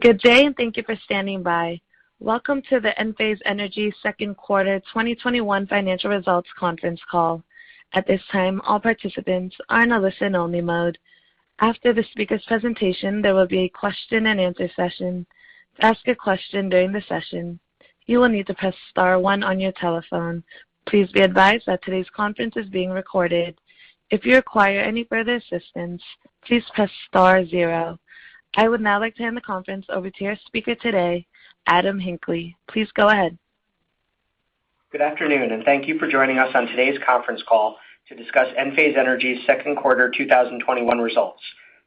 Good day, and thank you for standing by. Welcome to the Enphase Energy second quarter 2021 financial results conference call. At this time, all participants are in a listen only mode. After the speaker's presentation, there will be a question-and-answer session. To ask a question during the session, you'll need to press star one on your telephone. Please be advised that today's conference is being recorded. If you require any further assistance, please press star zero. I would now like to hand the conference over to our speaker today, Adam Hinckley. Please go ahead. Good afternoon. Thank you for joining us on today's conference call to discuss Enphase Energy's second quarter 2021 results.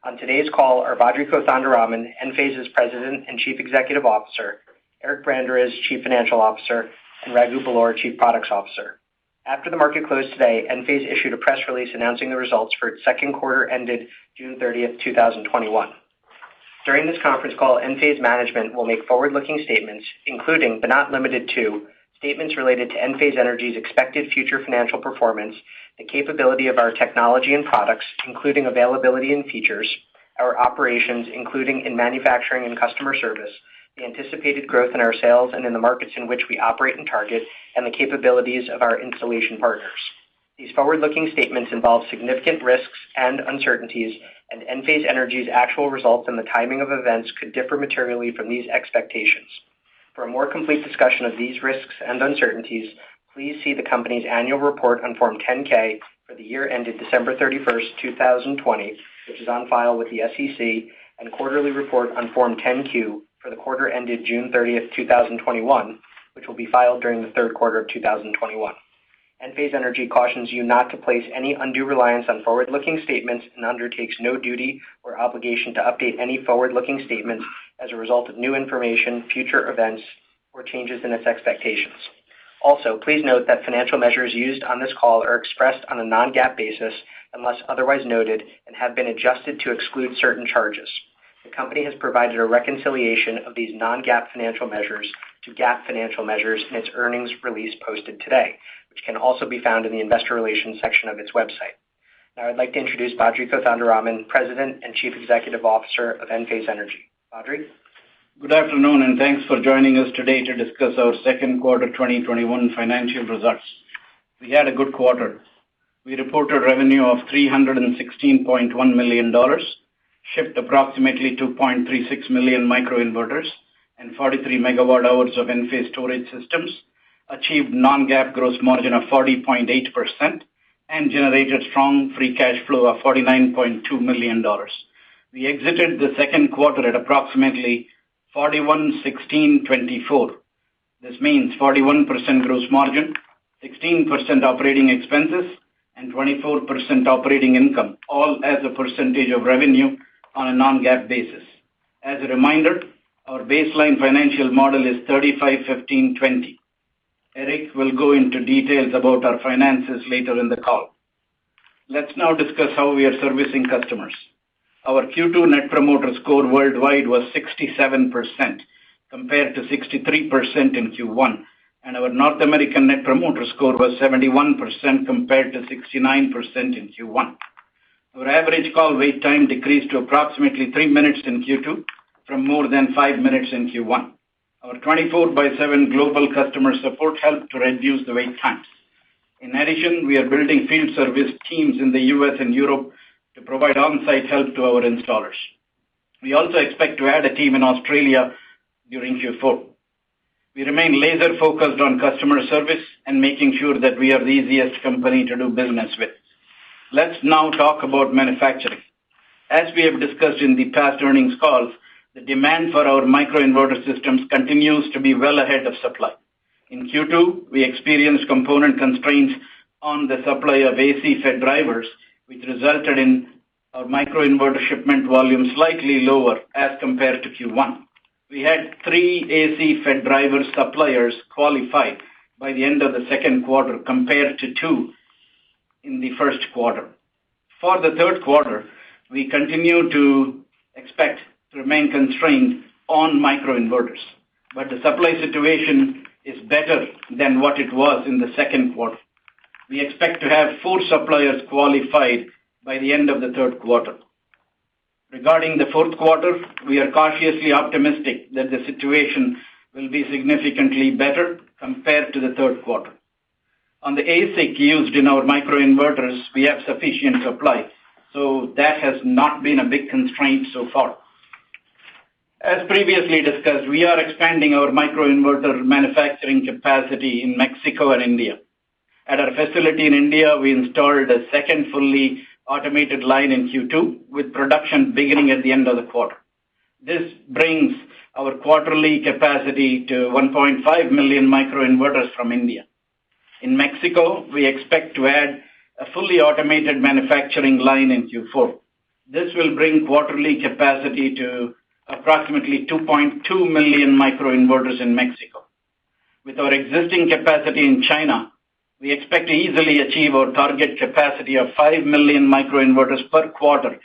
On today's call are Badri Kothandaraman, Enphase's President and Chief Executive Officer, Eric Branderiz, Chief Financial Officer, and Raghu Belur, Chief Products Officer. After the market closed today, Enphase issued a press release announcing the results for its second quarter ended June 30th, 2021. During this conference call, Enphase management will make forward-looking statements, including, but not limited to, statements related to Enphase Energy's expected future financial performance, the capability of our technology and products, including availability and features, our operations, including in manufacturing and customer service, the anticipated growth in our sales and in the markets in which we operate and target, and the capabilities of our installation partners. These forward-looking statements involve significant risks and uncertainties, and Enphase Energy's actual results and the timing of events could differ materially from these expectations. For a more complete discussion of these risks and uncertainties, please see the company's Annual Report on Form 10-K for the year ended December 31st, 2020, which is on file with the SEC, and Quarterly Report on Form 10-Q for the quarter ended June 30th, 2021, which will be filed during the third quarter of 2021. Enphase Energy cautions you not to place any undue reliance on forward-looking statements and undertakes no duty or obligation to update any forward-looking statements as a result of new information, future events, or changes in its expectations. Please note that financial measures used on this call are expressed on a non-GAAP basis, unless otherwise noted, and have been adjusted to exclude certain charges. The company has provided a reconciliation of these non-GAAP financial measures to GAAP financial measures in its earnings release posted today, which can also be found in the investor relations section of its website. Now I'd like to introduce Badri Kothandaraman, President and Chief Executive Officer of Enphase Energy. Badri? Good afternoon, thanks for joining us today to discuss our second quarter 2021 financial results. We had a good quarter. We reported revenue of $316.1 million, shipped approximately 2.36 million microinverters and 43 MWh of Enphase Storage systems, achieved non-GAAP gross margin of 40.8%, and generated strong free cash flow of $49.2 million. We exited the second quarter at approximately 41/16/24. This means 41% gross margin, 16% operating expenses, and 24% operating income, all as a percentage of revenue on a non-GAAP basis. As a reminder, our baseline financial model is 35/15/20. Eric will go into details about our finances later in the call. Let's now discuss how we are servicing customers. Our Q2 Net Promoter Score worldwide was 67% compared to 63% in Q1, and our North American Net Promoter Score was 71% compared to 69% in Q1. Our average call wait time decreased to approximately three minutes in Q2 from more than five minutes in Q1. Our 24/7 global customer support helped to reduce the wait times. In addition, we are building field service teams in the U.S. and Europe to provide on-site help to our installers. We also expect to add a team in Australia during Q4. We remain laser-focused on customer service and making sure that we are the easiest company to do business with. Let's now talk about manufacturing. As we have discussed in the past earnings calls, the demand for our microinverter systems continues to be well ahead of supply. In Q2, we experienced component constraints on the supply of AC FET drivers, which resulted in our microinverter shipment volume slightly lower as compared to Q1. We had three AC FET driver suppliers qualified by the end of the second quarter compared to two in the first quarter. For the third quarter, we continue to expect to remain constrained on microinverters, but the supply situation is better than what it was in the second quarter. We expect to have four suppliers qualified by the end of the third quarter. Regarding the fourth quarter, we are cautiously optimistic that the situation will be significantly better compared to the third quarter. On the ASIC used in our microinverters, we have sufficient supply, so that has not been a big constraint so far. As previously discussed, we are expanding our microinverter manufacturing capacity in Mexico and India. At our facility in India, we installed a second fully automated line in Q2 with production beginning at the end of the quarter. This brings our quarterly capacity to 1.5 million microinverters from India. In Mexico, we expect to add a fully automated manufacturing line in Q4. This will bring quarterly capacity to approximately 2.2 million microinverters in Mexico. With our existing capacity in China, we expect to easily achieve our target capacity of 5 million microinverters per quarter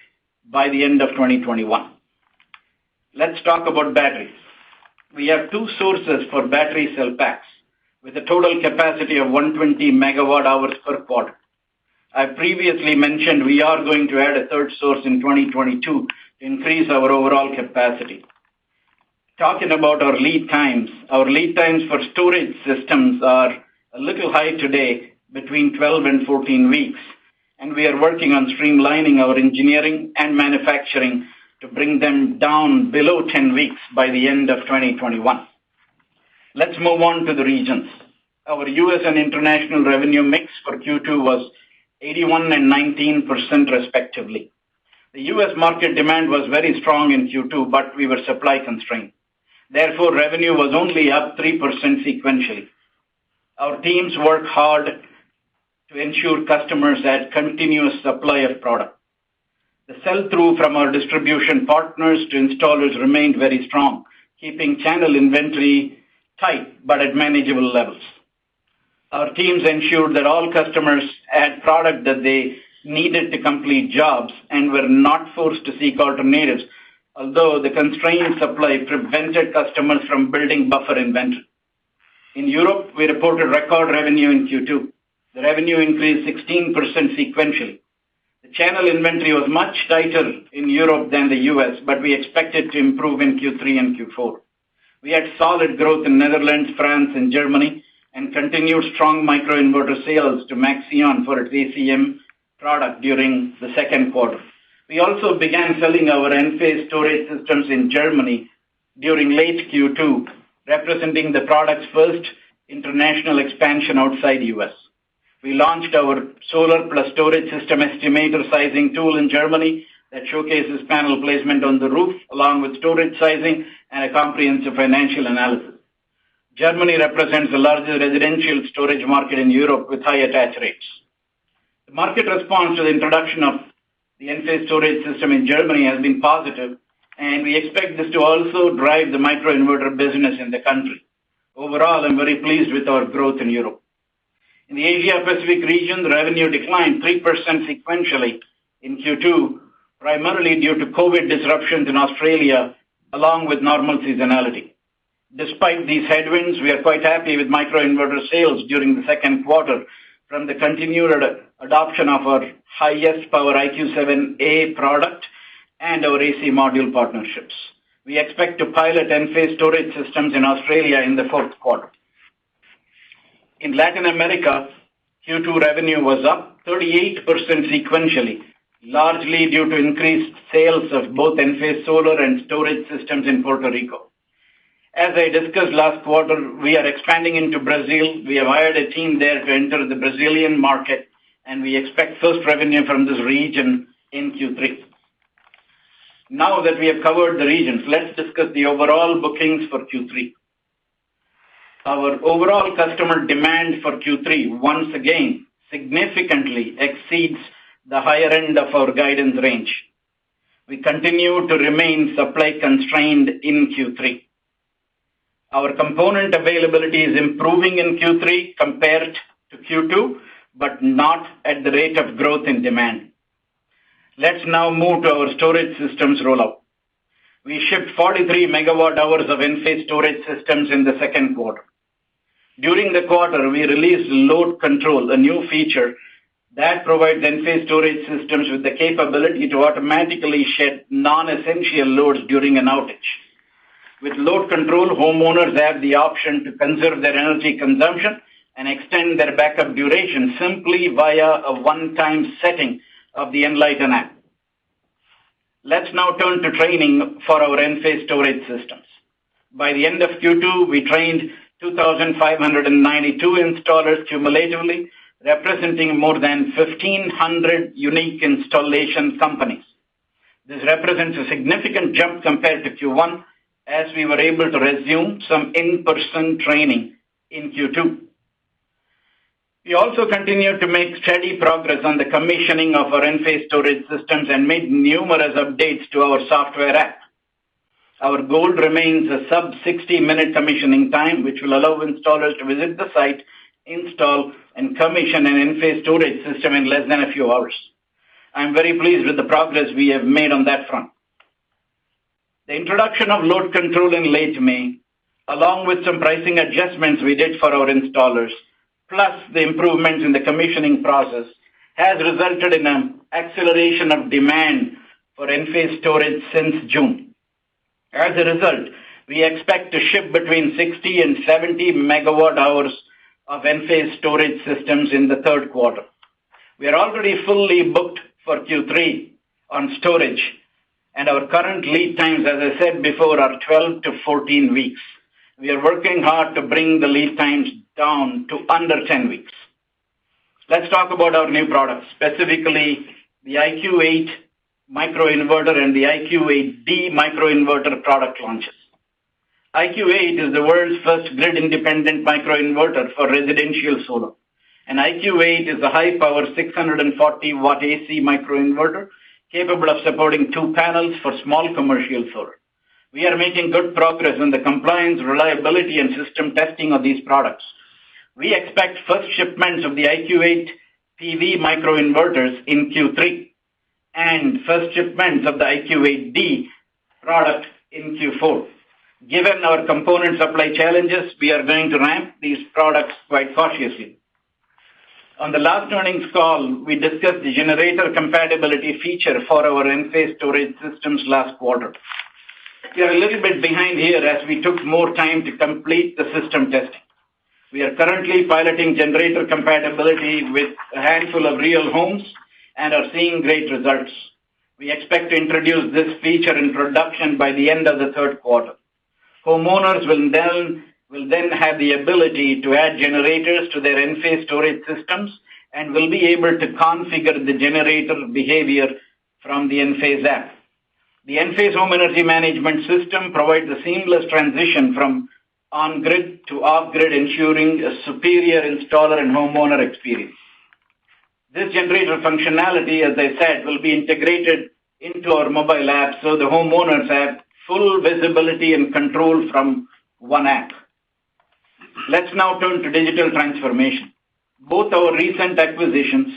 by the end of 2021. Let's talk about batteries. We have two sources for battery cell packs with a total capacity of 120 MWh per quarter. I previously mentioned we are going to add a third source in 2022 to increase our overall capacity. Talking about our lead times. Our lead times for storage systems are a little high today, between 12 and 14 weeks. We are working on streamlining our engineering and manufacturing to bring them down below 10 weeks by the end of 2021. Let's move on to the regions. Our U.S. and international revenue mix for Q2 was 81% and 19% respectively. The U.S. market demand was very strong in Q2. We were supply constrained. Therefore, revenue was only up 3% sequentially. Our teams work hard to ensure customers had continuous supply of product. The sell-through from our distribution partners to installers remained very strong, keeping channel inventory tight but at manageable levels. Our teams ensured that all customers had product that they needed to complete jobs and were not forced to seek alternatives. Although the constrained supply prevented customers from building buffer inventory. In Europe, we reported record revenue in Q2. The revenue increased 16% sequentially. The channel inventory was much tighter in Europe than the U.S., but we expect it to improve in Q3 and Q4. We had solid growth in Netherlands, France, and Germany, and continued strong microinverter sales to Maxeon for its AC Module product during the second quarter. We also began selling our Enphase Storage systems in Germany during late Q2, representing the product's first international expansion outside the U.S. We launched our solar plus storage system estimator sizing tool in Germany that showcases panel placement on the roof, along with storage sizing and a comprehensive financial analysis. Germany represents the largest residential storage market in Europe with high attach rates. The market response to the introduction of the Enphase Storage system in Germany has been positive. We expect this to also drive the microinverter business in the country. Overall, I'm very pleased with our growth in Europe. In the Asia Pacific region, the revenue declined 3% sequentially in Q2, primarily due to COVID disruptions in Australia, along with normal seasonality. Despite these headwinds, we are quite happy with microinverter sales during the second quarter from the continued adoption of our highest power IQ7A product and our AC Module partnerships. We expect to pilot Enphase Storage systems in Australia in the fourth quarter. In Latin America, Q2 revenue was up 38% sequentially, largely due to increased sales of both Enphase solar and Storage systems in Puerto Rico. As I discussed last quarter, we are expanding into Brazil. We have hired a team there to enter the Brazilian market, and we expect first revenue from this region in Q3. Now that we have covered the regions, let's discuss the overall bookings for Q3. Our overall customer demand for Q3 once again significantly exceeds the higher end of our guidance range. We continue to remain supply constrained in Q3. Our component availability is improving in Q3 compared to Q2, but not at the rate of growth in demand. Let's now move to our storage systems rollout. We shipped 43 MWh of Enphase Storage systems in the second quarter. During the quarter, we released Load Control, a new feature that provides Enphase Storage systems with the capability to automatically shed non-essential loads during an outage. With Load Control, homeowners have the option to conserve their energy consumption and extend their backup duration simply via a one-time setting of the Enlighten app. Let's now turn to training for our Enphase Storage systems. By the end of Q2, we trained 2,592 installers cumulatively, representing more than 1,500 unique installation companies. This represents a significant jump compared to Q1, as we were able to resume some in-person training in Q2. We also continued to make steady progress on the commissioning of our Enphase Storage systems and made numerous updates to our software app. Our goal remains a sub 60-minute commissioning time, which will allow installers to visit the site, install, and commission an Enphase Storage system in less than a few hours. I'm very pleased with the progress we have made on that front. The introduction of Load Control in late May, along with some pricing adjustments we did for our installers, plus the improvements in the commissioning process, has resulted in an acceleration of demand for Enphase Storage since June. As a result, we expect to ship between 60 MWh and 70 MWh of Enphase Storage systems in the third quarter. We are already fully booked for Q3 on storage, and our current lead times, as I said before, are 12-14 weeks. We are working hard to bring the lead times down to under 10 weeks. Let's talk about our new products, specifically the IQ8 microinverter and the IQ8D microinverter product launches. IQ8 is the world's first grid-independent microinverter for residential solar. IQ8 is a high-power 640 W AC microinverter capable of supporting two panels for small commercial solar. We are making good progress on the compliance, reliability, and system testing of these products. We expect first shipments of the IQ8 PV microinverters in Q3. First shipments of the IQ8D product in Q4. Given our component supply challenges, we are going to ramp these products quite cautiously. On the last earnings call, we discussed the generator compatibility feature for our Enphase Storage systems last quarter. We are a little bit behind here as we took more time to complete the system testing. We are currently piloting generator compatibility with a handful of real homes and are seeing great results. We expect to introduce this feature in production by the end of the third quarter. Homeowners will then have the ability to add generators to their Enphase Storage systems and will be able to configure the generator behavior from the Enphase app. The Enphase Energy Management System provides a seamless transition from on-grid to off-grid, ensuring a superior installer and homeowner experience. This generator functionality, as I said, will be integrated into our mobile app so the homeowners have full visibility and control from one app. Let's now turn to digital transformation. Both our recent acquisitions,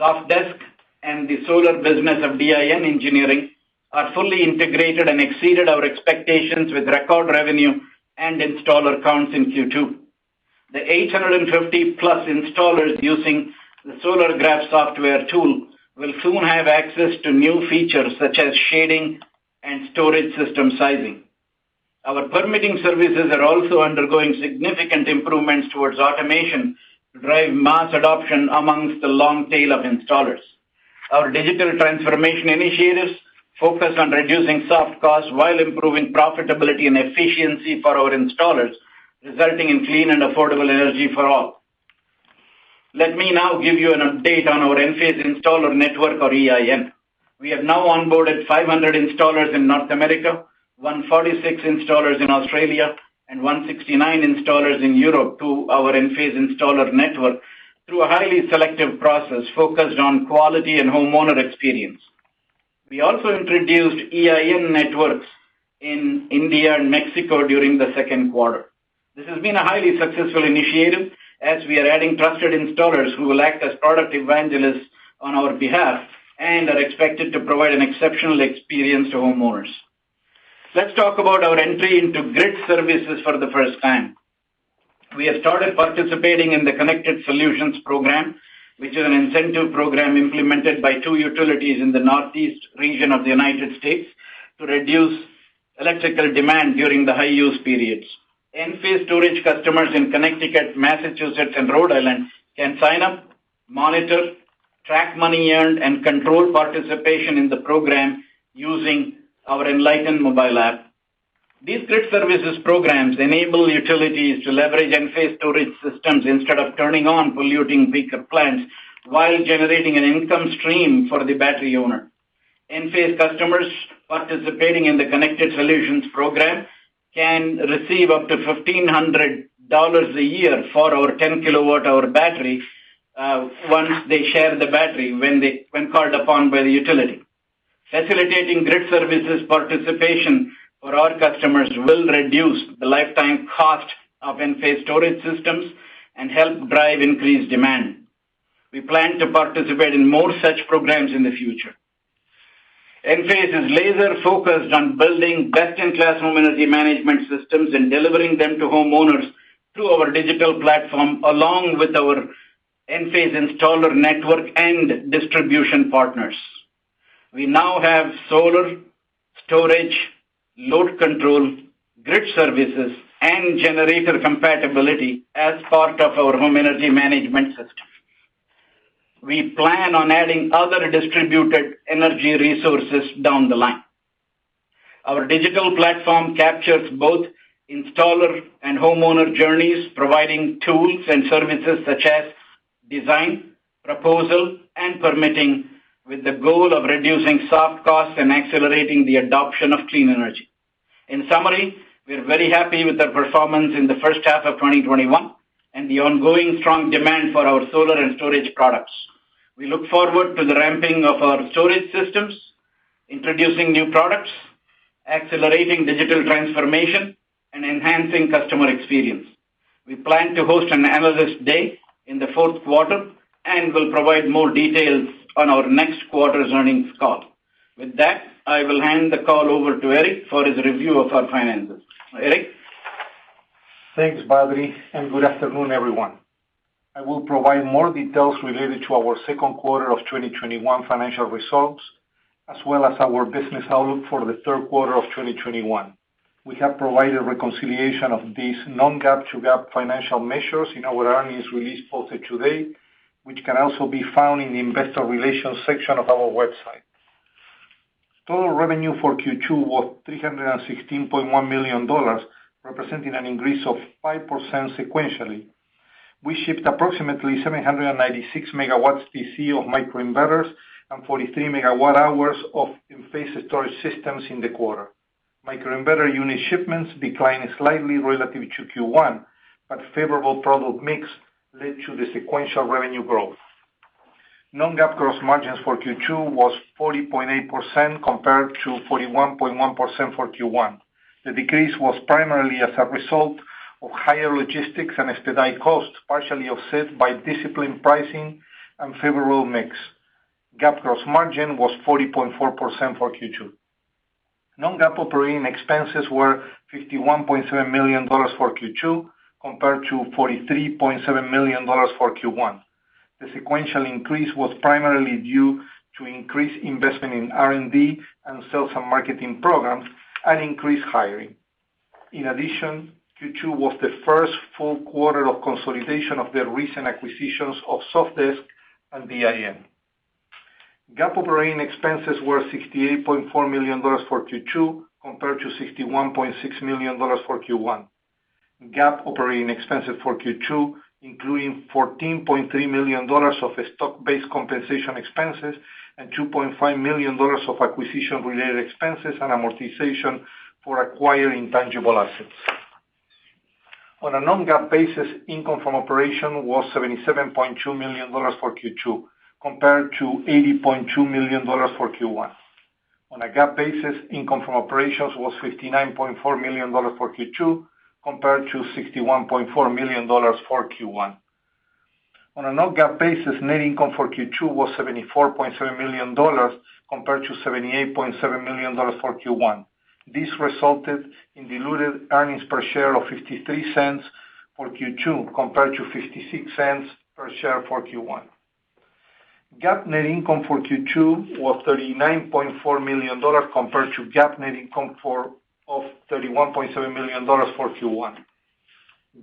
Sofdesk and the solar business of DIN Engineering, are fully integrated and exceeded our expectations with record revenue and installer counts in Q2. The 850+ installers using the Solargraf software tool will soon have access to new features such as shading and storage system sizing. Our permitting services are also undergoing significant improvements towards automation to drive mass adoption amongst the long tail of installers. Our digital transformation initiatives focus on reducing soft costs while improving profitability and efficiency for our installers, resulting in clean and affordable energy for all. Let me now give you an update on our Enphase Installer Network, or EIN. We have now onboarded 500 installers in North America, 146 installers in Australia, and 169 installers in Europe to our Enphase Installer Network through a highly selective process focused on quality and homeowner experience. We also introduced EIN networks in India and Mexico during the second quarter. This has been a highly successful initiative as we are adding trusted installers who will act as product evangelists on our behalf and are expected to provide an exceptional experience to homeowners. Let's talk about our entry into grid services for the first time. We have started participating in the ConnectedSolutions program, which is an incentive program implemented by two utilities in the Northeast region of the U.S. to reduce electrical demand during the high use periods. Enphase storage customers in Connecticut, Massachusetts, and Rhode Island can sign up, monitor, track money earned, and control participation in the program using our Enlighten mobile app. These grid services programs enable utilities to leverage Enphase storage systems instead of turning on polluting peaker plants while generating an income stream for the battery owner. Enphase customers participating in the ConnectedSolutions program can receive up to $1,500 a year for our 10 kWh battery, once they share the battery when called upon by the utility. Facilitating grid services participation for our customers will reduce the lifetime cost of Enphase storage systems and help drive increased demand. We plan to participate in more such programs in the future. Enphase is laser-focused on building best-in-class home energy management systems and delivering them to homeowners through our digital platform, along with our Enphase Installer Network and distribution partners. We now have solar, storage, load control, grid services, and generator compatibility as part of our home energy management system. We plan on adding other distributed energy resources down the line. Our digital platform captures both installer and homeowner journeys, providing tools and services such as design, proposal, and permitting, with the goal of reducing soft costs and accelerating the adoption of clean energy. In summary, we are very happy with our performance in the first half of 2021 and the ongoing strong demand for our solar and storage products. We look forward to the ramping of our storage systems, introducing new products, accelerating digital transformation, and enhancing customer experience. We plan to host an Analyst Day in the fourth quarter and will provide more details on our next quarter's earnings call. With that, I will hand the call over to Eric for his review of our finances. Eric? Thanks, Badri. Good afternoon, everyone. I will provide more details related to our second quarter of 2021 financial results, as well as our business outlook for the third quarter of 2021. We have provided reconciliation of these non-GAAP to GAAP financial measures in our earnings release posted today, which can also be found in the investor relations section of our website. Total revenue for Q2 was $316.1 million, representing an increase of 5% sequentially. We shipped approximately 796 MW DC of microinverters and 43 MWh of Enphase Storage systems in the quarter. Microinverter unit shipments declined slightly relative to Q1. Favorable product mix led to the sequential revenue growth. Non-GAAP gross margins for Q2 was 40.8% compared to 41.1% for Q1. The decrease was primarily as a result of higher logistics and expedite costs, partially offset by disciplined pricing and favorable mix. GAAP gross margin was 40.4% for Q2. Non-GAAP operating expenses were $51.7 million for Q2 compared to $43.7 million for Q1. The sequential increase was primarily due to increased investment in R&D and sales and marketing programs, and increased hiring. In addition, Q2 was the first full quarter of consolidation of the recent acquisitions of Sofdesk and DIN Engineering Services. GAAP operating expenses were $68.4 million for Q2 compared to $61.6 million for Q1. GAAP operating expenses for Q2, including $14.3 million of stock-based compensation expenses and $2.5 million of acquisition-related expenses and amortization for acquiring tangible assets. On a non-GAAP basis, income from operation was $77.2 million for Q2 compared to $80.2 million for Q1. On a GAAP basis, income from operations was $59.4 million for Q2 compared to $61.4 million for Q1. On a non-GAAP basis, net income for Q2 was $74.7 million compared to $78.7 million for Q1. This resulted in diluted earnings per share of $0.53 for Q2 compared to $0.56 per share for Q1. GAAP net income for Q2 was $39.4 million compared to GAAP net income of $31.7 million for Q1.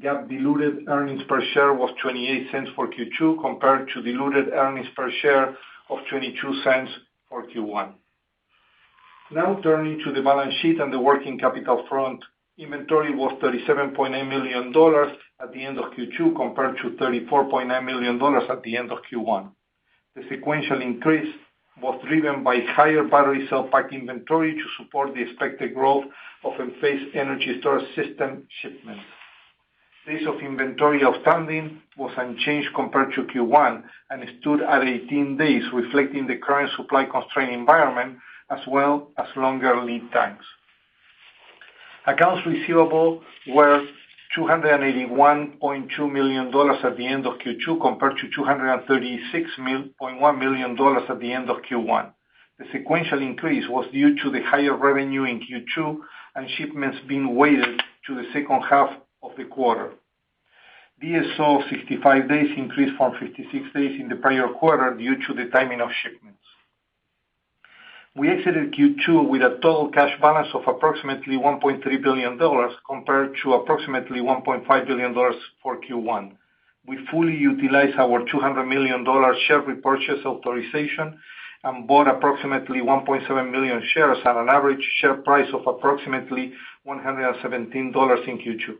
GAAP diluted earnings per share was $0.28 for Q2 compared to diluted earnings per share of $0.22 for Q1. Turning to the balance sheet and the working capital front. Inventory was $37.8 million at the end of Q2 compared to $34.9 million at the end of Q1. The sequential increase was driven by higher battery cell pack inventory to support the expected growth of Enphase energy storage system shipments. Days of inventory outstanding was unchanged compared to Q1 and it stood at 18 days, reflecting the current supply constraint environment as well as longer lead times. Accounts receivable were $281.2 million at the end of Q2 compared to $236.1 million at the end of Q1. The sequential increase was due to the higher revenue in Q2 and shipments being weighted to the second half of the quarter. DSO of 65 days increased from 56 days in the prior quarter due to the timing of shipments. We exited Q2 with a total cash balance of approximately $1.3 billion compared to approximately $1.5 billion for Q1. We fully utilized our $200 million share repurchase authorization and bought approximately 1.7 million shares at an average share price of approximately $117 in Q2.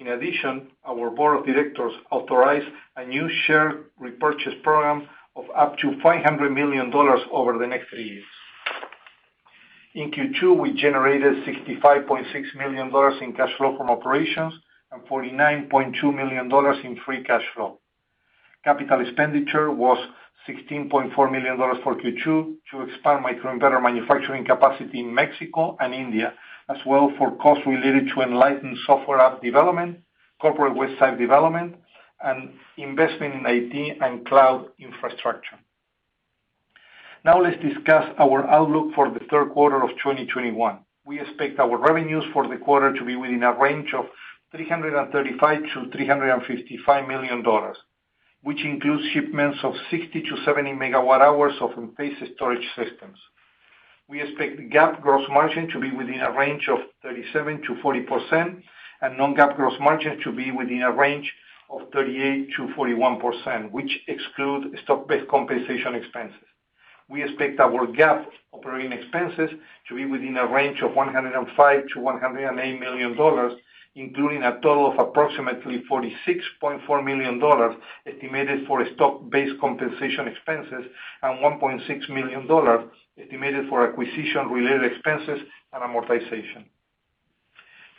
In addition, our Board of Directors authorized a new share repurchase program of up to $500 million over the next three years. In Q2, we generated $65.6 million in cash flow from operations and $49.2 million in free cash flow. Capital expenditure was $16.4 million for Q2 to expand microinverter manufacturing capacity in Mexico and India, as well for costs related to Enlighten software app development, corporate website development, and investment in IT and cloud infrastructure. Let's discuss our outlook for the third quarter of 2021. We expect our revenues for the quarter to be within a range of $335 million-$355 million, which includes shipments of 60 MWh-70 MWh of Enphase Storage systems. We expect GAAP gross margin to be within a range of 37%-40% and non-GAAP gross margin to be within a range of 38%-41%, which excludes stock-based compensation expenses. We expect our GAAP operating expenses to be within a range of $105 million-$108 million, including a total of approximately $46.4 million estimated for stock-based compensation expenses and $1.6 million estimated for acquisition-related expenses and amortization.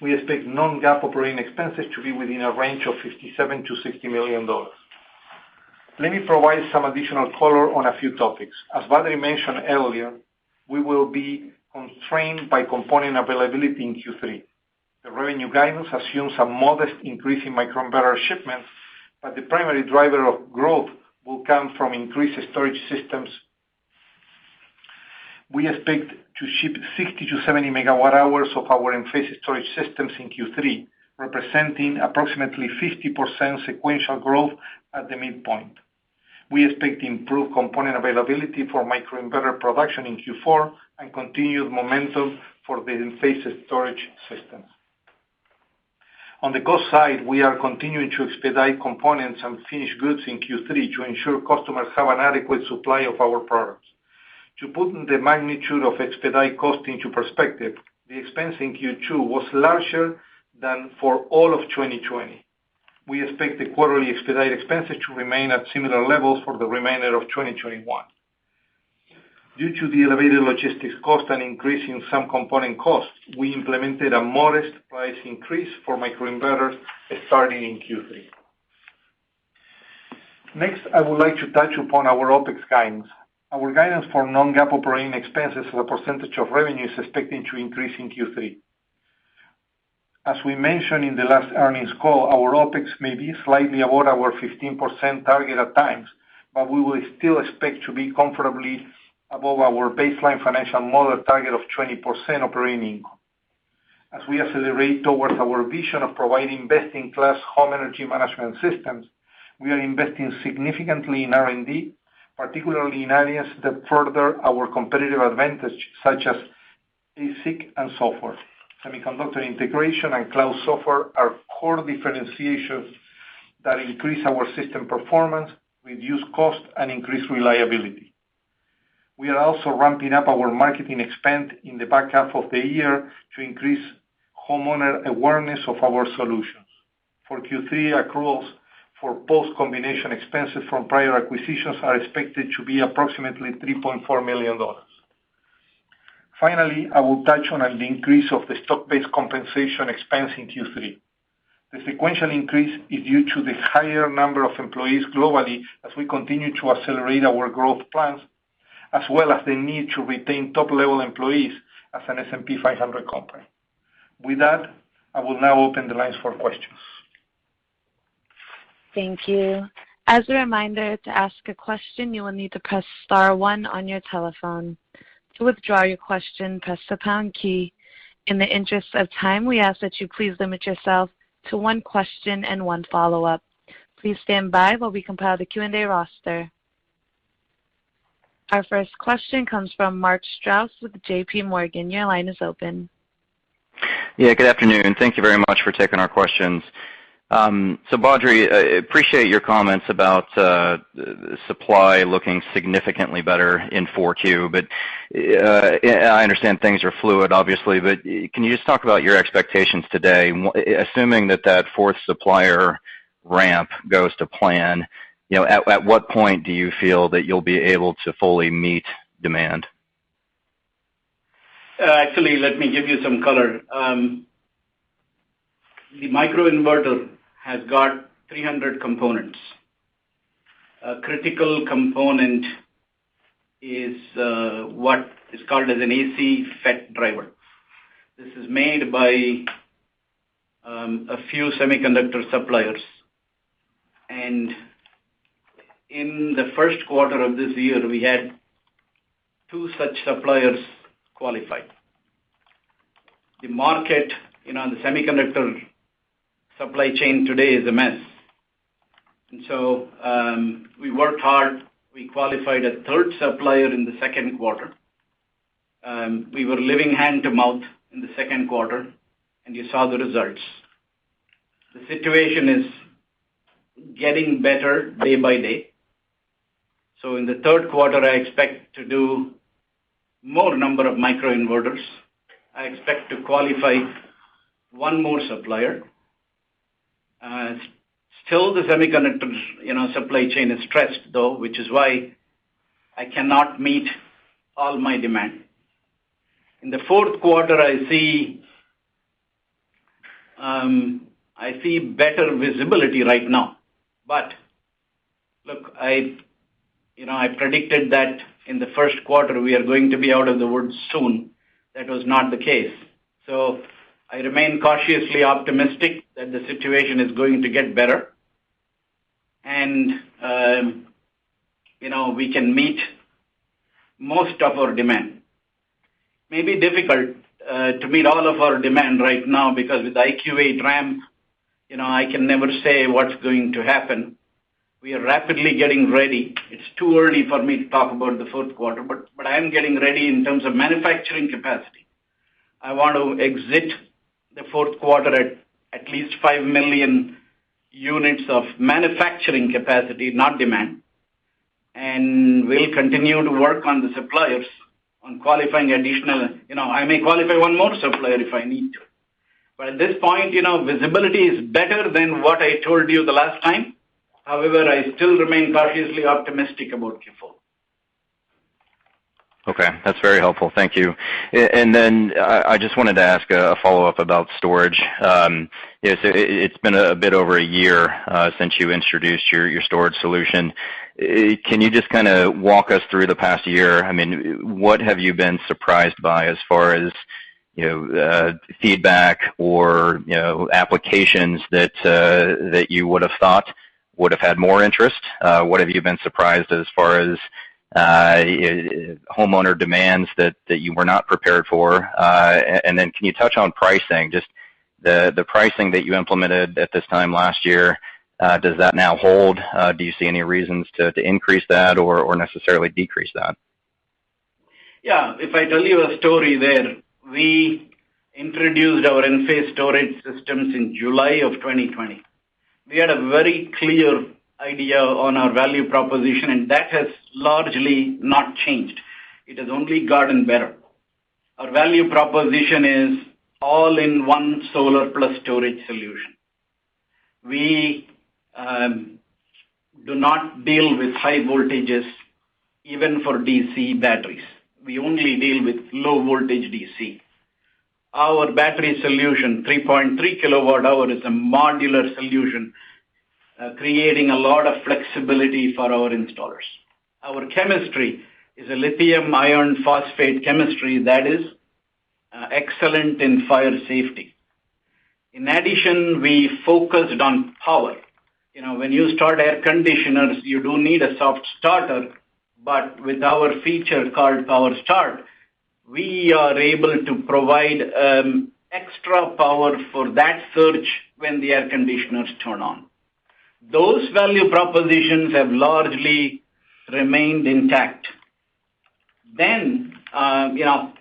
We expect non-GAAP operating expenses to be within a range of $57 million-$60 million. Let me provide some additional color on a few topics. As Badri mentioned earlier, we will be constrained by component availability in Q3. The revenue guidance assumes a modest increase in microinverter shipments, but the primary driver of growth will come from increased storage systems. We expect to ship 60 MWh-70 MWh of our Enphase Storage systems in Q3, representing approximately 50% sequential growth at the midpoint. We expect improved component availability for microinverter production in Q4 and continued momentum for the Enphase Storage systems. On the cost side, we are continuing to expedite components and finished goods in Q3 to ensure customers have an adequate supply of our products. To put the magnitude of expedite cost into perspective, the expense in Q2 was larger than for all of 2020. We expect the quarterly expedite expenses to remain at similar levels for the remainder of 2021. Due to the elevated logistics cost and increase in some component costs, we implemented a modest price increase for microinverters starting in Q3. I would like to touch upon our OpEx guidance. Our guidance for non-GAAP operating expenses as a percentage of revenue is expecting to increase in Q3. As we mentioned in the last earnings call, our OpEx may be slightly above our 15% target at times, but we will still expect to be comfortably above our baseline financial model target of 20% operating income. As we accelerate towards our vision of providing best-in-class home energy management systems, we are investing significantly in R&D, particularly in areas that further our competitive advantage, such as ASIC and software. Semiconductor integration and cloud software are core differentiations that increase our system performance, reduce cost, and increase reliability. We are also ramping up our marketing expense in the back half of the year to increase homeowner awareness of our solutions. For Q3, accruals for post-combination expenses from prior acquisitions are expected to be approximately $3.4 million. Finally, I will touch on an increase of the stock-based compensation expense in Q3. The sequential increase is due to the higher number of employees globally as we continue to accelerate our growth plans, as well as the need to retain top-level employees as an S&P 500 company. With that, I will now open the lines for questions. Thank you. As a reminder to ask a question, you'll need to press star one on your telephone. To withdraw your question, press the pound key. In the interest of time, we ask that you please limit yourself to one question and one follow-up. Please stand by while we compiled the Q&A roster. Our first question comes from Mark Strouse with JPMorgan. Your line is open. Yeah, good afternoon. Thank you very much for taking our questions. Badri, I appreciate your comments about supply looking significantly better in 4Q. I understand things are fluid, obviously, but can you just talk about your expectations today? Assuming that that fourth supplier ramp goes to plan, you know, at what point do you feel that you'll be able to fully meet demand? Actually, let me give you some color. The microinverter has got 300 components. A critical component is what is called as an AC FET driver. This is made by a few semiconductor suppliers. In the first quarter of this year, we had two such suppliers qualified. The market in our semiconductor supply chain today is a mess. We worked hard. We qualified a third supplier in the second quarter. We were living hand-to-mouth in the second quarter, and you saw the results. The situation is getting better day by day. In the third quarter, I expect to do more number of microinverters. I expect to qualify one more supplier. Still the semiconductor supply chain is stressed, though, which is why I cannot meet all my demand. In the fourth quarter, I see, I see better visibility right now. Look, I, you know, I predicted that in the first quarter we are going to be out of the woods soon. That was not the case. I remain cautiously optimistic that the situation is going to get better and, you know, we can meet most of our demand. May be difficult to meet all of our demand right now because with IQ8 ramp, you know, I can never say what's going to happen. We are rapidly getting ready. It's too early for me to talk about the fourth quarter, but I am getting ready in terms of manufacturing capacity. I want to exit the fourth quarter at least 5 million units of manufacturing capacity, not demand. We'll continue to work on the suppliers on qualifying. You know, I may qualify one more supplier if I need to. At this point, you know, visibility is better than what I told you the last time. However, I still remain cautiously optimistic about Q4. Okay. That's very helpful. Thank you. Then I just wanted to ask a follow-up about storage. It's been a bit over a year since you introduced your storage solution. Can you just kinda walk us through the past year? I mean, what have you been surprised by as far as, you know, feedback or, you know, applications that you would have thought would have had more interest? What have you been surprised as far as homeowner demands that you were not prepared for? Then can you touch on pricing, just the pricing that you implemented at this time last year, does that now hold? Do you see any reasons to increase that or necessarily decrease that? Yeah. If I tell you a story there, we introduced our Enphase Storage systems in July of 2020. We had a very clear idea on our value proposition, that has largely not changed. It has only gotten better. Our value proposition is all-in-one solar plus storage solution. We do not deal with high voltages, even for DC batteries. We only deal with low voltage DC. Our battery solution, 3.3 kWh, is a modular solution, creating a lot of flexibility for our installers. Our chemistry is a lithium iron phosphate chemistry that is excellent in fire safety. In addition, we focused on power. You know, when you start air conditioners, you do need a soft starter. With our feature called Power Start, we are able to provide extra power for that surge when the air conditioners turn on. Those value propositions have largely remained intact. You know,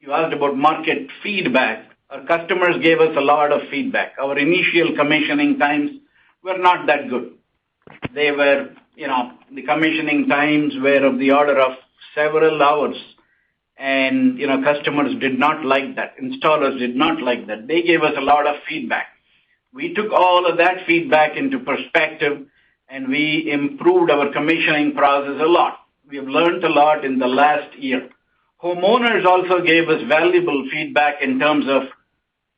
you asked about market feedback. Our customers gave us a lot of feedback. Our initial commissioning times were not that good. They were, you know, the commissioning times were of the order of several hours. You know, customers did not like that. Installers did not like that. They gave us a lot of feedback. We took all of that feedback into perspective, we improved our commissioning process a lot. We have learned a lot in the last year. Homeowners also gave us valuable feedback in terms of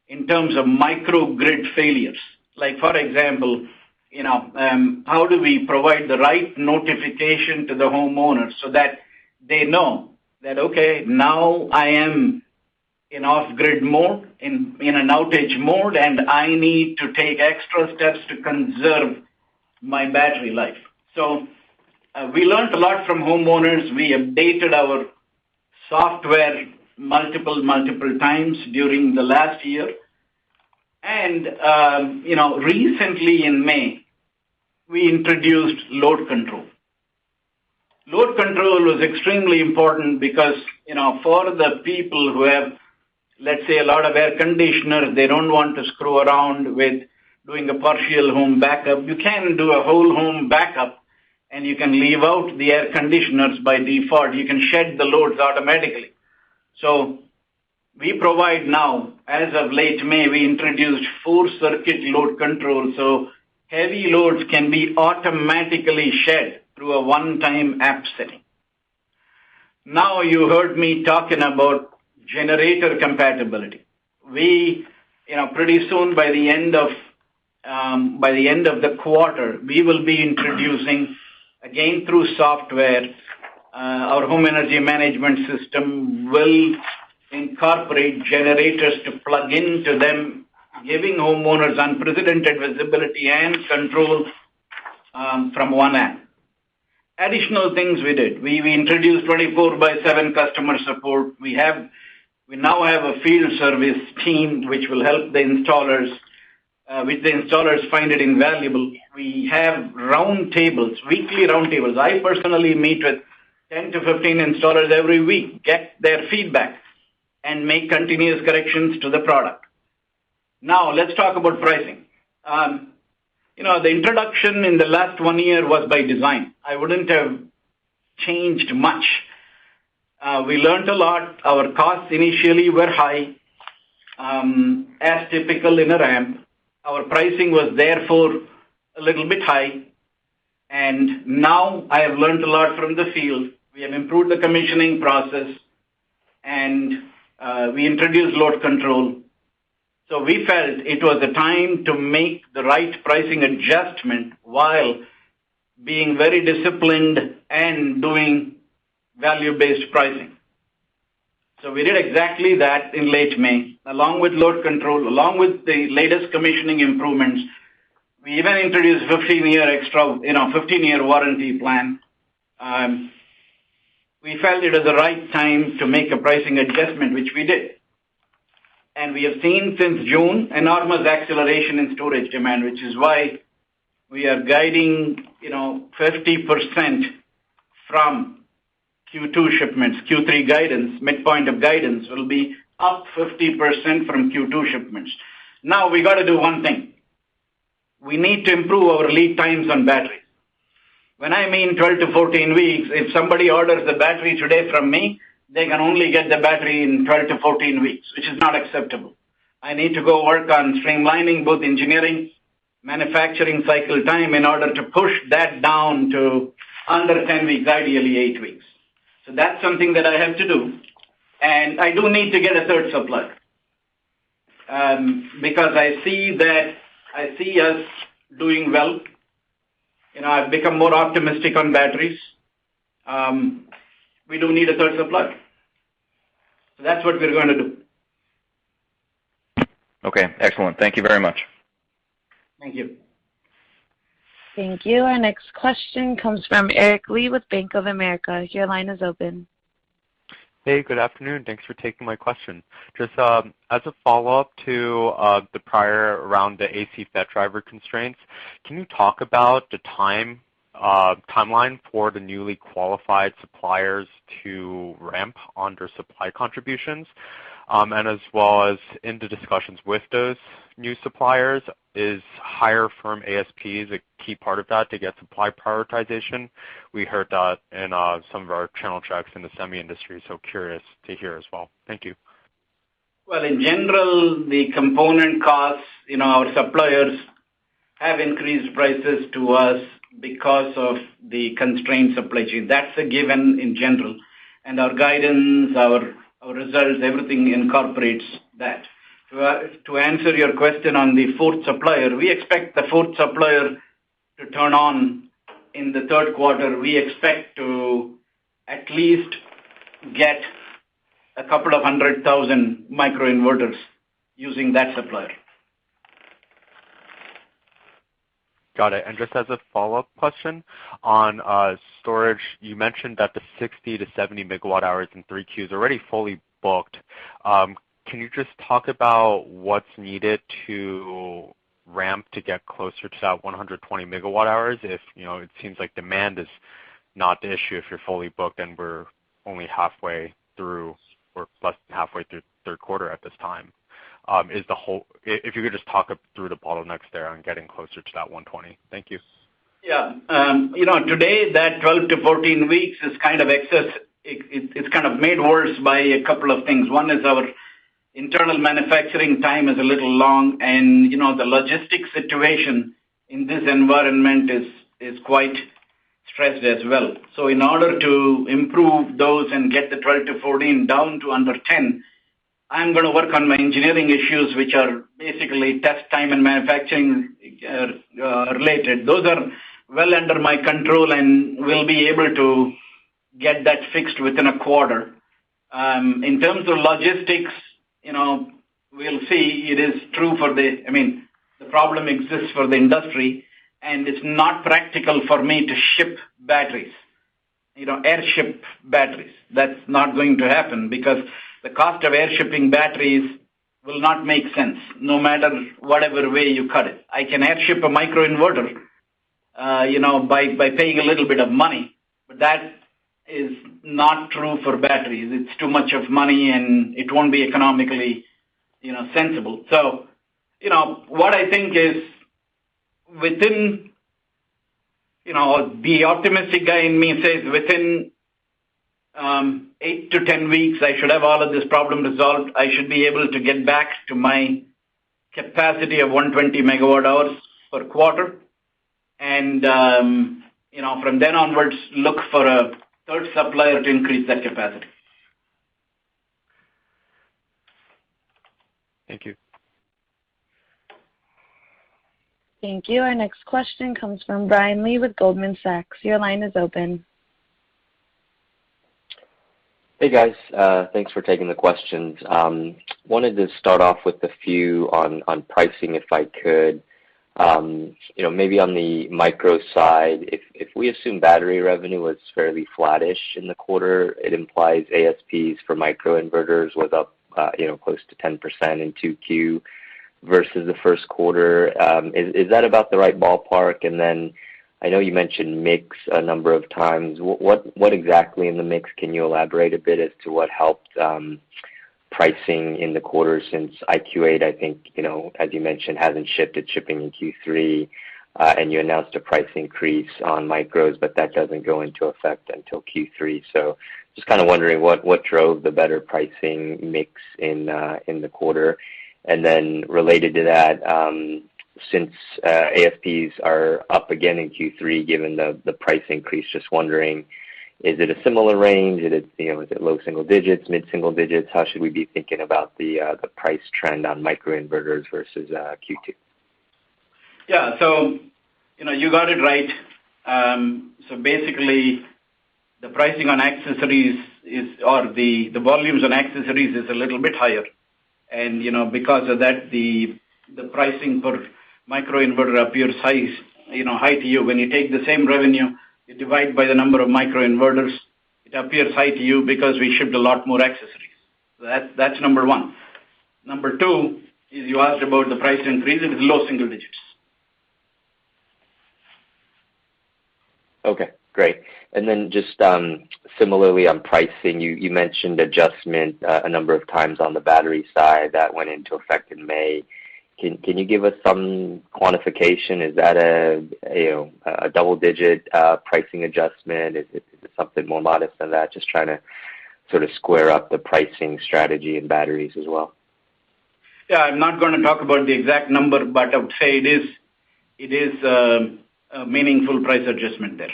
microgrid failures. Like for example, you know, how do we provide the right notification to the homeowners so that they know that, okay, now I am in off-grid mode, in an outage mode, and I need to take extra steps to conserve my battery life. We learned a lot from homeowners. We updated our software multiple times during the last year. You know, recently in May, we introduced Load Control. Load Control was extremely important because, you know, for the people who have, let's say, a lot of air conditioners, they don't want to screw around with doing a partial home backup. You can do a whole home backup, and you can leave out the air conditioners by default. You can shed the loads automatically. We provide now, as of late May, we introduced full circuit load control, so heavy loads can be automatically shed through a one-time app setting. You heard me talking about generator compatibility. We, you know, pretty soon, by the end of the quarter, we will be introducing, again through software, our home energy management system will incorporate generators to plug into them, giving homeowners unprecedented visibility and control from one app. Additional things we did. We introduced 24 by seven customer support. We now have a field service team which will help the installers, which the installers find it invaluable. We have roundtables, weekly roundtables. I personally meet with 10-15 installers every week, get their feedback and make continuous corrections to the product. Now, let's talk about pricing. You know, the introduction in the last one year was by design. I wouldn't have changed much. We learnt a lot. Our costs initially were high, as typical in a ramp. Our pricing was therefore a little bit high. Now I have learnt a lot from the field. We have improved the commissioning process, and we introduced Load Control. We felt it was the time to make the right pricing adjustment while being very disciplined and doing value-based pricing. We did exactly that in late May. Along with Load Control, along with the latest commissioning improvements, we even introduced 15-year extra, you know, 15-year warranty plan. We felt it was the right time to make a pricing adjustment, which we did. We have seen since June enormous acceleration in storage demand, which is why we are guiding, you know, 50% from Q2 shipments. Q3 guidance, midpoint of guidance will be up 50% from Q2 shipments. We gotta do one thing. We need to improve our lead times on battery. When I mean 12-14 weeks, if somebody orders the battery today from me, they can only get the battery in 12-14 weeks, which is not acceptable. I need to go work on streamlining both engineering, manufacturing cycle time in order to push that down to under 10 weeks, ideally eight weeks. That's something that I have to do. I do need to get a third supplier because I see us doing well. You know, I've become more optimistic on batteries. We do need a third supplier. That's what we're gonna do. Okay, excellent. Thank you very much. Thank you. Thank you. Our next question comes from Eric Lee with Bank of America. Your line is open. Hey, good afternoon. Thanks for taking my question. Just as a follow-up to the prior around the AC FET driver constraints, can you talk about the timeline for the newly qualified suppliers to ramp on their supply contributions? As well as in the discussions with those new suppliers, is higher firm ASPs a key part of that to get supply prioritization? We heard that in some of our channel checks in the semi industry, so curious to hear as well. Thank you. Well, in general, the component costs, you know, our suppliers have increased prices to us because of the constrained supply chain. That's a given in general. Our guidance, our results, everything incorporates that. To answer your question on the fourth supplier, we expect the fourth supplier to turn on in the third quarter. We expect to at least get a couple of 100,000 microinverters using that supplier. Got it. Just as a follow-up question on storage. You mentioned that the 60 MWh-70 MWh in 3Q is already fully booked. Can you just talk about what's needed to ramp to get closer to that 120 MWh if, you know, it seems like demand is not the issue if you're fully booked and we're only halfway through or less than halfway through third quarter at this time. If you could just talk through the bottlenecks there on getting closer to that 120 MWh. Thank you. Yeah. You know, today that 12-14 weeks is kind of excess. It's kind of made worse by a couple of things. One is our internal manufacturing time is a little long. You know, the logistics situation in this environment is quite stressed as well. In order to improve those and get the 12-14 down to under 10, I'm gonna work on my engineering issues, which are basically test time and manufacturing related. Those are well under my control. We'll be able to get that fixed within a quarter. In terms of logistics, you know, we'll see. It is true for the problem exists for the industry. It's not practical for me to ship batteries. You know, air ship batteries. That's not going to happen because the cost of air shipping batteries will not make sense, no matter whatever way you cut it. I can air ship a microinverter, you know, by paying a little bit of money, but that is not true for batteries. It's too much of money, and it won't be economically, you know, sensible. What I think is within, you know, the optimistic guy in me says within 8-10 weeks, I should have all of this problem resolved. I should be able to get back to my capacity of 120 MWh per quarter and, you know, from then onwards, look for a third supplier to increase that capacity. Thank you. Thank you. Our next question comes from Brian Lee with Goldman Sachs. Your line is open. Hey, guys. Thanks for taking the questions. Wanted to start off with a few on pricing, if I could. You know, maybe on the micro side, if we assume battery revenue was fairly flattish in the quarter, it implies ASPs for microinverters was up, you know, close to 10% in 2Q versus the first quarter. Is that about the right ballpark? I know you mentioned mix a number of times. What exactly in the mix can you elaborate a bit as to what helped pricing in the quarter since IQ8, I think, you know, as you mentioned, hasn't shipped, it's shipping in Q3. You announced a price increase on micros, but that doesn't go into effect until Q3. Just kinda wondering what drove the better pricing mix in the quarter. Related to that, since ASPs are up again in Q3, given the price increase, just wondering, is it a similar range? Is it, you know, is it low single digits, mid-single digits? How should we be thinking about the price trend on microinverters versus Q2? Yeah. You know, you got it right. Basically, the volumes on accessories is a little bit higher. You know, because of that, the pricing per microinverter appears high to you. When you take the same revenue, you divide by the number of microinverters, it appears high to you because we shipped a lot more accessories. That's number one. Number two is you asked about the price increase. It is low single-digits. Okay, great. Just similarly on pricing, you mentioned adjustment a number of times on the battery side that went into effect in May. Can you give us some quantification? Is that a, you know, a double-digit pricing adjustment? Is it something more modest than that? Just trying to sort of square up the pricing strategy in batteries as well. Yeah. I'm not going to talk about the exact number. I would say it is a meaningful price adjustment there.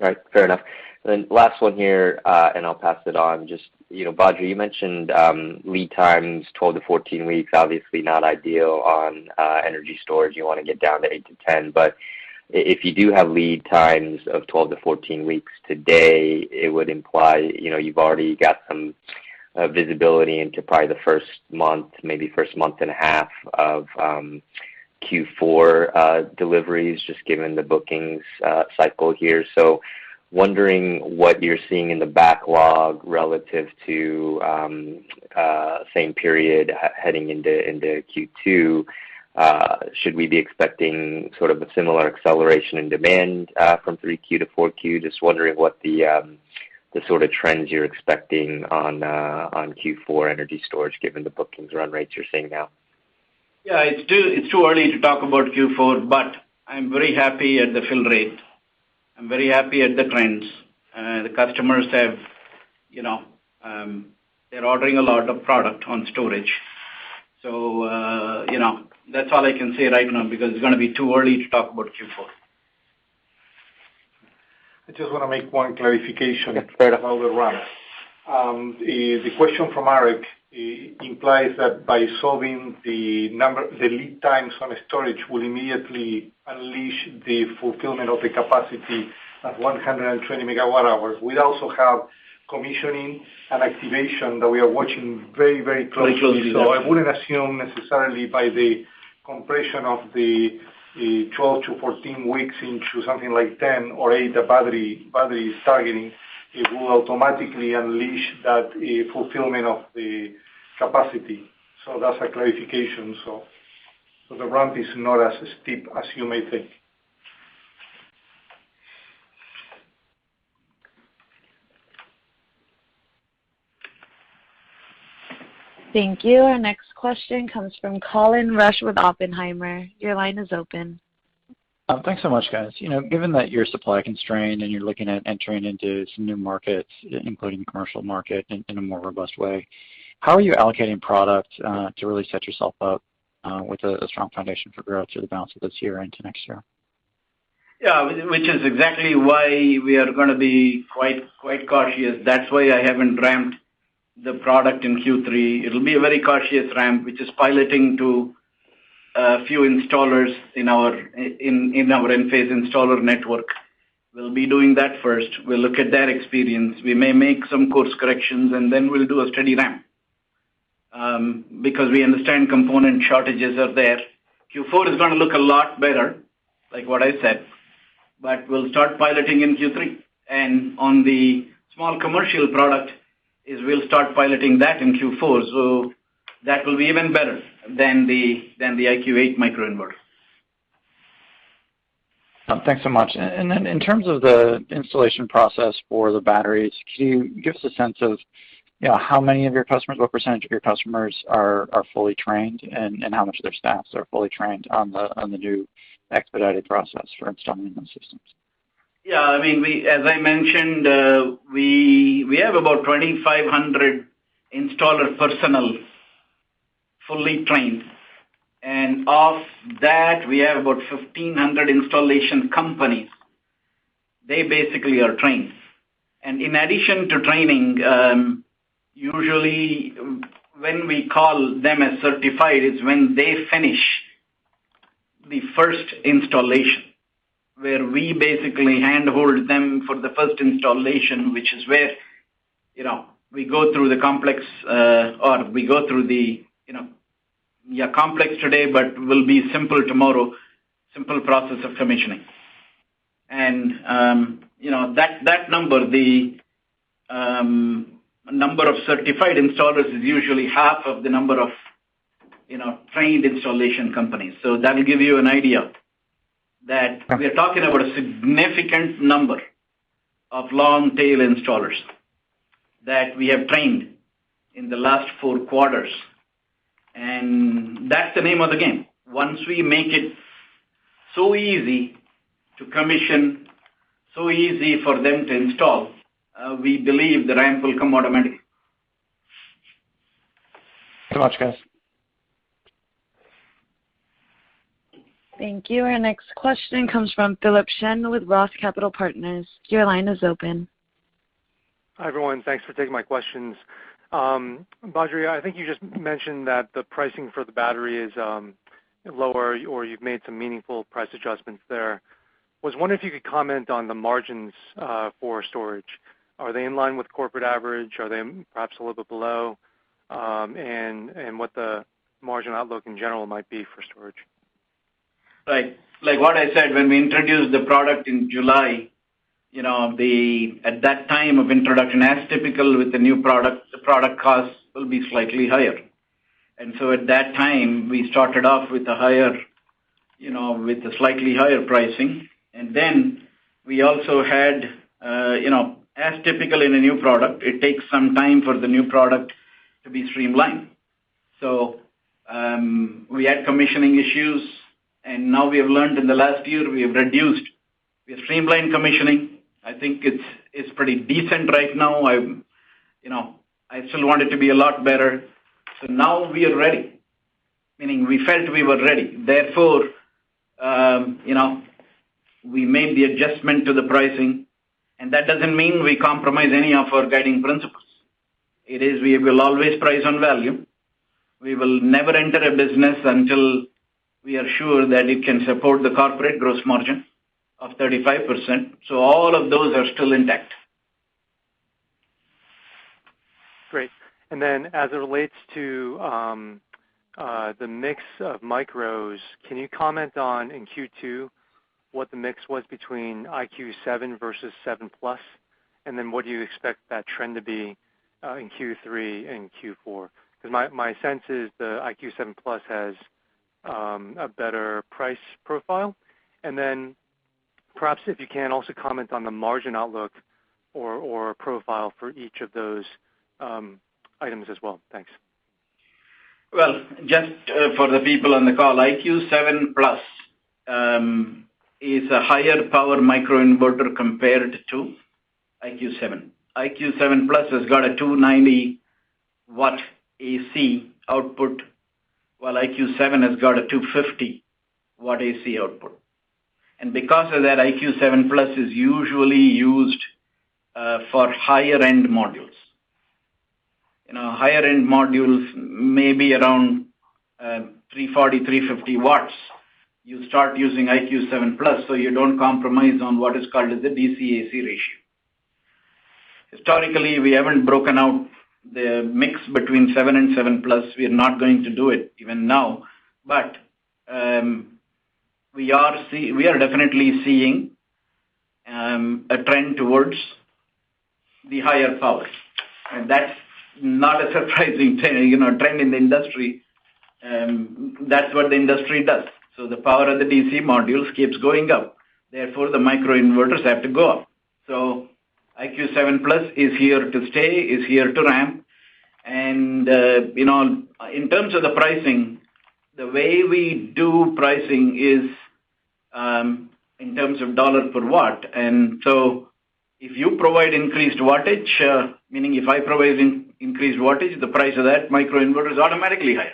Right. Fair enough. Last one here, and I'll pass it on. Just, you know, Badri, you mentioned lead times 12-14 weeks, obviously not ideal on energy storage. You want to get down to 8 to 10. If you do have lead times of 12-14 weeks today, it would imply, you know, you've already got some visibility into probably the first month, maybe first month and a half of Q4 deliveries, just given the bookings cycle here. Wondering what you're seeing in the backlog relative to same period heading into Q2. Should we be expecting sort of a similar acceleration in demand from 3Q-4Q? Just wondering what the sort of trends you're expecting on Q4 energy storage given the bookings run rates you're seeing now. Yeah. It's too early to talk about Q4. I'm very happy at the fill rate. I'm very happy at the trends. The customers have, you know, they're ordering a lot of product on storage. You know, that's all I can say right now because it's gonna be too early to talk about Q4. I just wanna make one clarification. Yeah. Go ahead. About the ramp. The question from Eric implies that by solving the lead times on storage will immediately unleash the fulfillment of the capacity at 120 MWh. We also have commissioning and activation that we are watching very, very closely. Very closely, yes. I wouldn't assume necessarily by the compression of the 10-14 weeks into something like 10 or 8, the battery is targeting, it will automatically unleash that fulfillment of the capacity. That's a clarification. The ramp is not as steep as you may think. Thank you. Our next question comes from Colin Rusch with Oppenheimer. Your line is open. Thanks so much, guys. You know, given that you're supply constrained, and you're looking at entering into some new markets, including commercial market in a more robust way, how are you allocating product to really set yourself up with a strong foundation for growth through the balance of this year into next year? Yeah. Exactly why we are gonna be quite cautious. That's why I haven't ramped the product in Q3. It'll be a very cautious ramp, which is piloting to a few installers in our Enphase Installer Network. We'll be doing that first. We'll look at that experience. We may make some course corrections, then we'll do a steady ramp because we understand component shortages are there. Q4 is gonna look a lot better, like what I said, we'll start piloting in Q3. On the small commercial product is we'll start piloting that in Q4, that will be even better than the IQ8 microinverter. Thanks so much. In terms of the installation process for the batteries, can you give us a sense of, you know, how many of your customers, what percentage of your customers are fully trained, and how much of their staffs are fully trained on the new expedited process for installing those systems? Yeah. I mean, as I mentioned, we have about 2,500 installer personnel fully trained. Of that, we have about 1,500 installation companies. They basically are trained. In addition to training, usually when we call them as certified is when they finish the first installation, where we basically handhold them for the first installation, which is where, you know, we go through the complex, or we go through the, you know, yeah, complex today, but will be simple tomorrow, simple process of commissioning. You know, that number, the number of certified installers is usually half of the number of, you know, trained installation companies. That will give you an idea that. Okay We are talking about a significant number of long-tail installers that we have trained in the last four quarters. That's the name of the game. Once we make it so easy to commission, so easy for them to install, we believe the ramp will come automatically. Thanks so much, guys. Thank you. Our next question comes from Philip Shen with ROTH Capital Partners. Your line is open. Hi, everyone. Thanks for taking my questions. Badri, I think you just mentioned that the pricing for the battery is lower or you've made some meaningful price adjustments there. I was wondering if you could comment on the margins for storage. Are they in line with corporate average? Are they perhaps a little bit below? What the margin outlook in general might be for storage. Right. Like what I said, when we introduced the product in July, you know, at that time of introduction, as typical with the new product, the product cost will be slightly higher. At that time, we started off with a higher, you know, with a slightly higher pricing. We also had, you know, as typical in a new product, it takes some time for the new product to be streamlined. We had commissioning issues, and now we have learned in the last year we have reduced. We have streamlined commissioning. I think it's pretty decent right now. I, you know, I still want it to be a lot better. Now we are ready, meaning we felt we were ready. Therefore, you know, we made the adjustment to the pricing. That doesn't mean we compromise any of our guiding principles. It is we will always price on value. We will never enter a business until we are sure that it can support the corporate gross margin of 35%. All of those are still intact. Great. As it relates to the mix of micros, can you comment on in Q2 what the mix was between IQ 7 versus the 7+? What do you expect that trend to be in Q3 and Q4? Cause my sense is the 7+ has a better price profile. Perhaps if you can also comment on the margin outlook or profile for each of those items as well. Thanks. Well, for the people on the call, IQ 7+ is a higher power microinverter compared to IQ 7. IQ 7+ has got a 290 W AC output, while IQ 7 has got a 250 W AC output. Because of that, IQ 7+ is usually used for higher-end modules. You know, higher-end modules may be around 340 W, 350 W. You start using IQ 7+, you don't compromise on what is called as the DC to AC ratio. Historically, we haven't broken out the mix between 7 and 7+. We are not going to do it even now. We are definitely seeing a trend towards the higher power. That's not a surprising trend, you know, trend in the industry. That's what the industry does. The power of the DC module keeps going up, therefore the microinverters have to go up. IQ 7+ is here to stay is here to run. You know, in terms of the pricing, the way we do pricing is in terms of dollar per watt. If you provide increased wattage, meaning if I provide increased wattage, the price of that microinverter is automatically higher.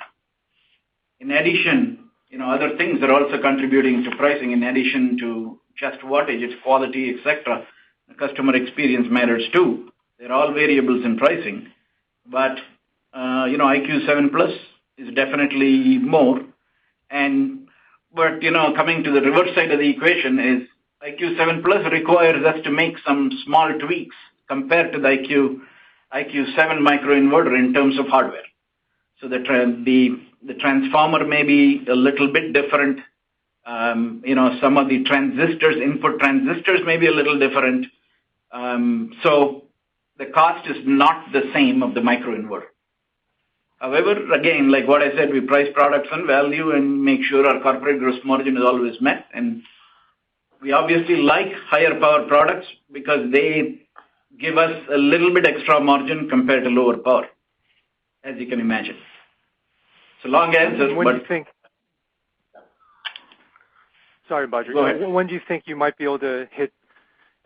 In addition, you know, other things are also contributing to pricing in addition to just wattage, it's quality, et cetera. The customer experience matters too. They're all variables in pricing. You know, IQ 7+ is definitely more. You know, coming to the reverse side of the equation is IQ 7+ requires us to make some small tweaks compared to the IQ 7 microinverter in terms of hardware. The transformer may be a little bit different. You know, some of the transistors, input transistors may be a little different. The cost is not the same of the microinverter. However, again, like what I said, we price products on value and make sure our corporate gross margin is always met. We obviously like higher power products because they give us a little bit extra margin compared to lower power, as you can imagine. Long answer. Sorry, Badri. Go ahead. When do you think you might be able to hit,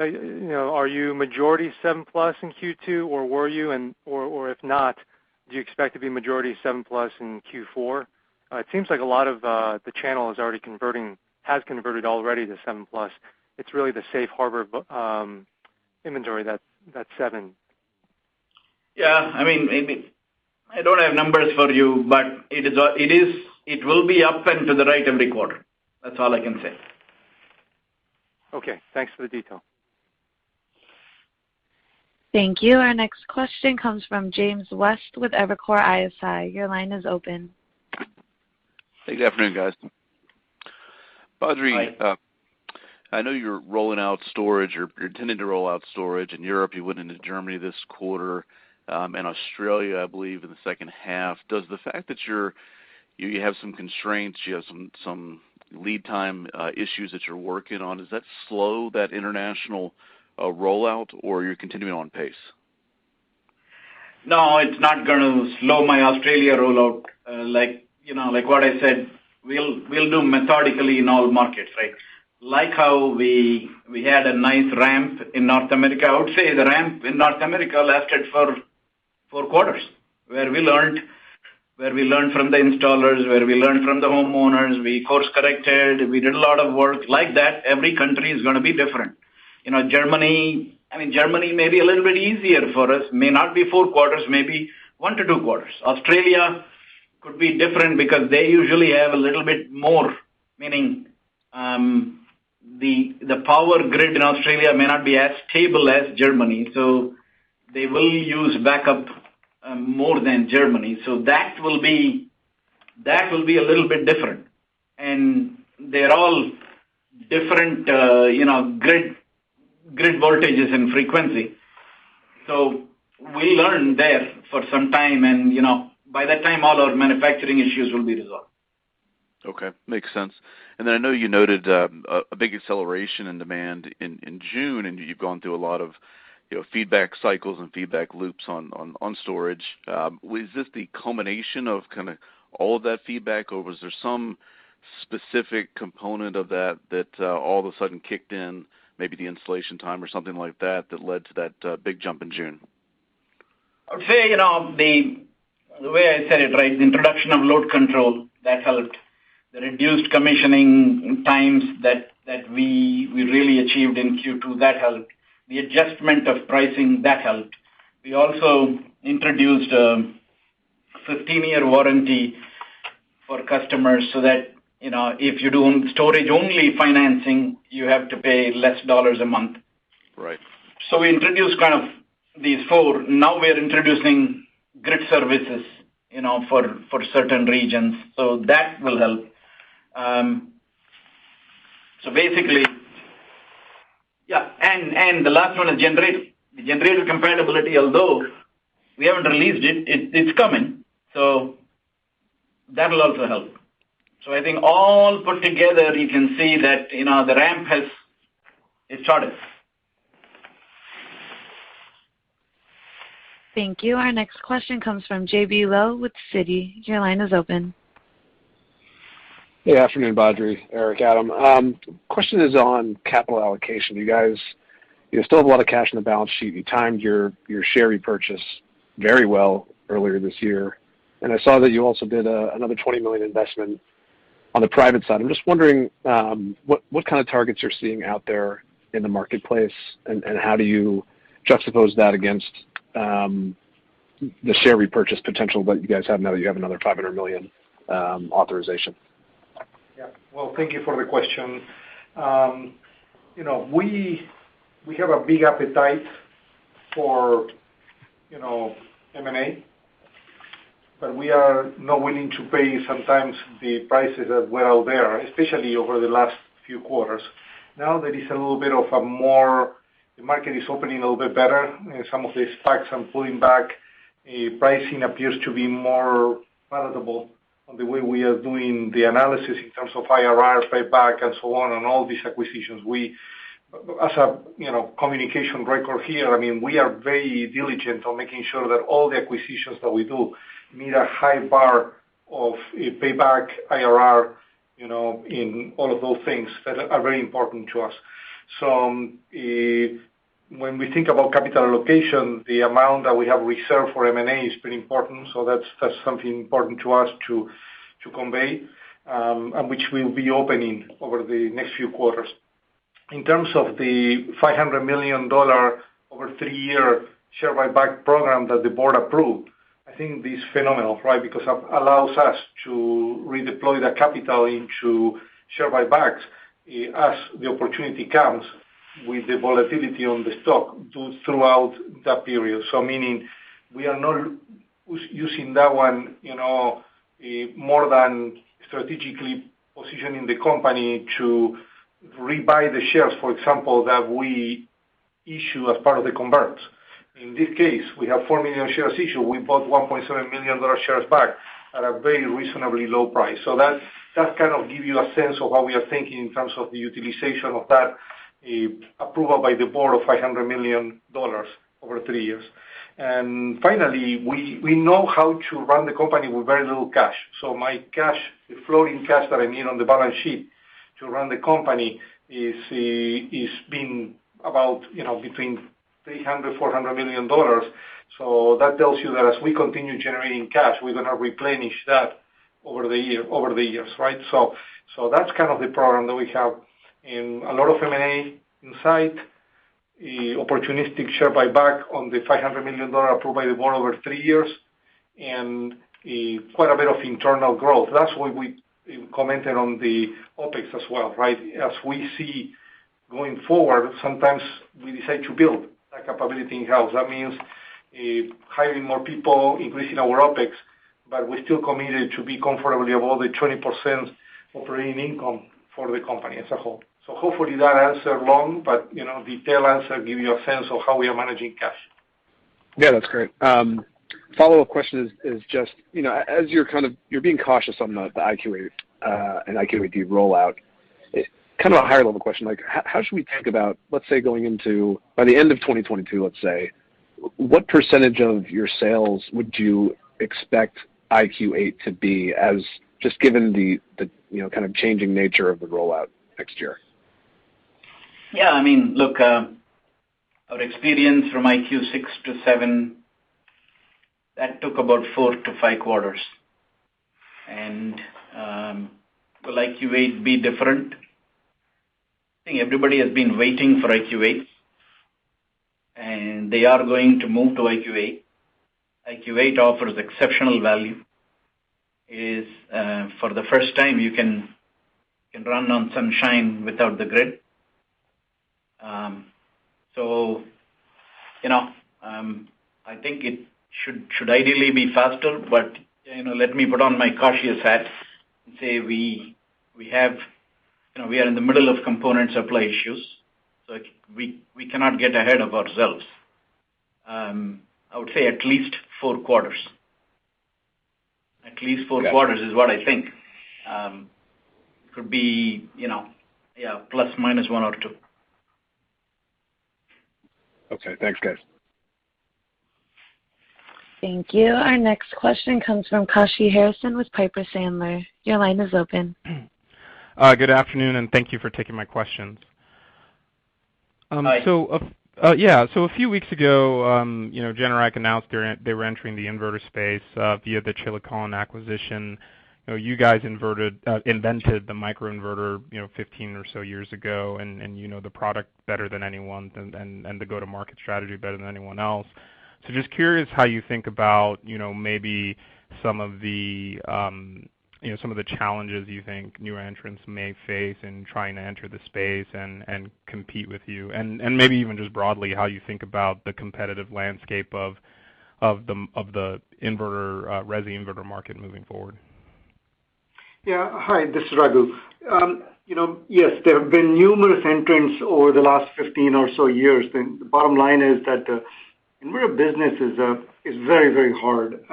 you know, are you majority 7+ in Q2 or were you? Or if not, do you expect to be majority 7+ in Q4? It seems like a lot of the channel has converted already to 7+. It's really the safe harbor inventory that's 7. Yeah, I mean, it I don't have numbers for you, but it is a, it will be up and to the right every quarter. That's all I can say. Okay. Thanks for the detail. Thank you. Our next question comes from James West with Evercore ISI. Your line is open. Good afternoon, guys. Badri. Hi. I know you're rolling out storage or you're intending to roll out storage in Europe. You went into Germany this quarter, and Australia, I believe in the second half. Does the fact that you have some constraints, you have some lead time issues that you're working on, does that slow that international rollout or you're continuing on pace? It's not gonna slow my Australia rollout. Like, you know, like what I said, we'll do methodically in all markets, right? Like how we had a nice ramp in North America. I would say the ramp in North America lasted for 4 quarters, where we learned from the installers, where we learned from the homeowners. We course-corrected. We did a lot of work. Every country is gonna be different. You know, Germany, I mean, Germany may be a little bit easier for us, may not be four quarters, maybe 1-2 quarters. Australia could be different because they usually have a little bit more, meaning, the power grid in Australia may not be as stable as Germany, they will use backup more than Germany. That will be a little bit different. They're all different, you know, grid voltages and frequency. We learn there for some time and, you know, by that time, all our manufacturing issues will be resolved. Okay. Makes sense. I know you noted, a big acceleration in demand in June, and you've gone through a lot of, you know, feedback cycles and feedback loops on storage. Was this the culmination of kinda all of that feedback, or was there some specific component of that all of a sudden kicked in, maybe the installation time or something like that led to that big jump in June? I would say, you know, the way I said it, right, the introduction of Load Control, that helped. The reduced commissioning times that we really achieved in Q2, that helped. The adjustment of pricing, that helped. We also introduced a 15-year warranty for customers so that, you know, if you're doing storage-only financing, you have to pay less dollars a month. Right. We introduced kind of these four. Now we are introducing grid services, you know, for certain regions, so that will help. Basically, yeah, and the last one is generator. The generator compatibility, although we haven't released it's coming, so that'll also help. I think all put together, you can see that, you know, the ramp has, it's started. Thank you. Our next question comes from J.B. Lowe with Citi. Your line is open. Hey, afternoon, Badri. Eric Branderiz. Question is on capital allocation. You guys, you still have a lot of cash in the balance sheet. You timed your share repurchase very well earlier this year, and I saw that you also did another $20 million investment on the private side. I'm just wondering what kind of targets you're seeing out there in the marketplace, and how do you juxtapose that against the share repurchase potential that you guys have now that you have another $500 million authorization? Yeah. Well, thank you for the question. You know, we have a big appetite for, you know, M&A, we are not willing to pay sometimes the prices that were out there, especially over the last few quarters. There is a little bit of the market is opening a little bit better, some of these stocks are pulling back. The pricing appears to be more palatable on the way we are doing the analysis in terms of IRR, payback, and so on, all these acquisitions. As a, you know, communication record here, I mean, we are very diligent on making sure that all the acquisitions that we do meet a high bar of payback, IRR, you know, in all of those things that are very important to us. If when we think about capital allocation, the amount that we have reserved for M&A is pretty important. That's something important to us to convey, and which we'll be opening over the next few quarters. In terms of the $500 million over three-year share buyback program that the board approved, I think this is phenomenal, right? It allows us to redeploy that capital into share buybacks, as the opportunity comes with the volatility on the stock throughout that period. Meaning we are not using that one, you know, more than strategically positioning the company to rebuy the shares, for example, that we issue as part of the converts. In this case, we have 4 million shares issued. We bought 1.7 million shares back at a very reasonably low price. That kind of give you a sense of how we are thinking in terms of the utilization of that approval by the board of $500 million over three years. Finally, we know how to run the company with very little cash. My cash, the floating cash that I need on the balance sheet to run the company is been about between $300 million-$400 million. That tells you that as we continue generating cash, we're gonna replenish that over the years, right? That's kind of the program that we have in a lot of M&A insight, opportunistic share buyback on the $500 million approved by the board over three years, and quite a bit of internal growth. That's why we commented on the OpEx as well, right? As we see going forward, sometimes we decide to build that capability in-house. That means hiring more people, increasing our OpEx, but we're still committed to be comfortably above the 20% operating income for the company as a whole. Hopefully that answered long, but you know, detailed answer give you a sense of how we are managing cash. Yeah, that's great. Follow-up question is just, you know, as you're being cautious on the IQ8 and IQ8D rollout. Kind of a higher level question, like how should we think about, let's say, going into by the end of 2022, let's say, what percentage of your sales would you expect IQ8 to be as just given the, you know, kind of changing nature of the rollout next year? Yeah, I mean, look, our experience from IQ 6 to IQ 7, that took about 4-5 quarters. Will IQ8 be different? I think everybody has been waiting for IQ8, and they are going to move to IQ8. IQ8 offers exceptional value, is for the first time, you can run on sunshine without the grid. You know, I think it should ideally be faster, but, you know, let me put on my cautious hat and say we have, you know, we are in the middle of component supply issues, so we cannot get ahead of ourselves. I would say at least four quarters. At least four quarters. Got it. is what I think. It could be, you know, yeah, ±1 or 2. Okay. Thanks, guys. Thank you. Our next question comes from Kashy Harrison with Piper Sandler. Your line is open. Good afternoon, and thank you for taking my questions. Hi. Yeah. A few weeks ago, you know, Generac announced they were entering the inverter space via the Chilicon acquisition. You know, you guys invented the microinverter, you know, 15 or so years ago, and you know the product better than anyone and the go-to-market strategy better than anyone else. Just curious how you think about, you know, maybe some of the, you know, some of the challenges you think new entrants may face in trying to enter the space and compete with you. Maybe even just broadly, how you think about the competitive landscape of the inverter, resi inverter market moving forward. Yeah. Hi, this is Raghu. you know, yes, there have been numerous entrants over the last 15 or so years. The bottom line is that inverter business is very, very hard,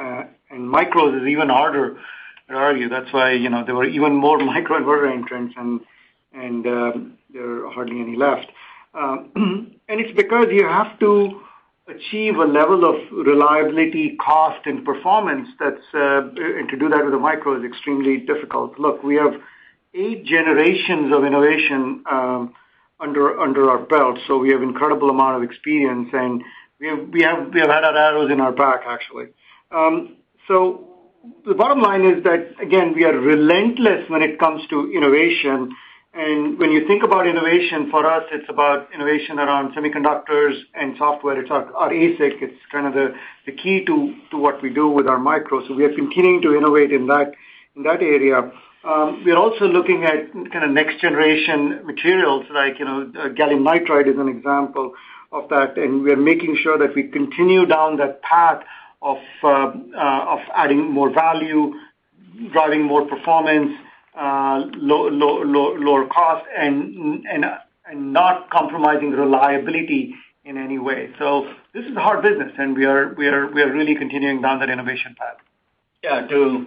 and micros is even harder. Where are you? That's why, you know, there were even more microinverter entrants and there are hardly any left. It's because you have to achieve a level of reliability, cost, and performance that's and to do that with a micro is extremely difficult. Look, we have eight generations of innovation under our belt, we have incredible amount of experience, and we have had our arrows in our back actually. The bottom line is that, again, we are relentless when it comes to innovation. When you think about innovation, for us, it's about innovation around semiconductors and software. It's our ASIC, it's kind of the key to what we do with our micros. We are continuing to innovate in that area. We are also looking at kind of next generation materials like, you know, gallium nitride is an example of that. We are making sure that we continue down that path of adding more value, driving more performance, lower costs, and not compromising reliability in any way. This is a hard business, and we are really continuing down that innovation path. Yeah. To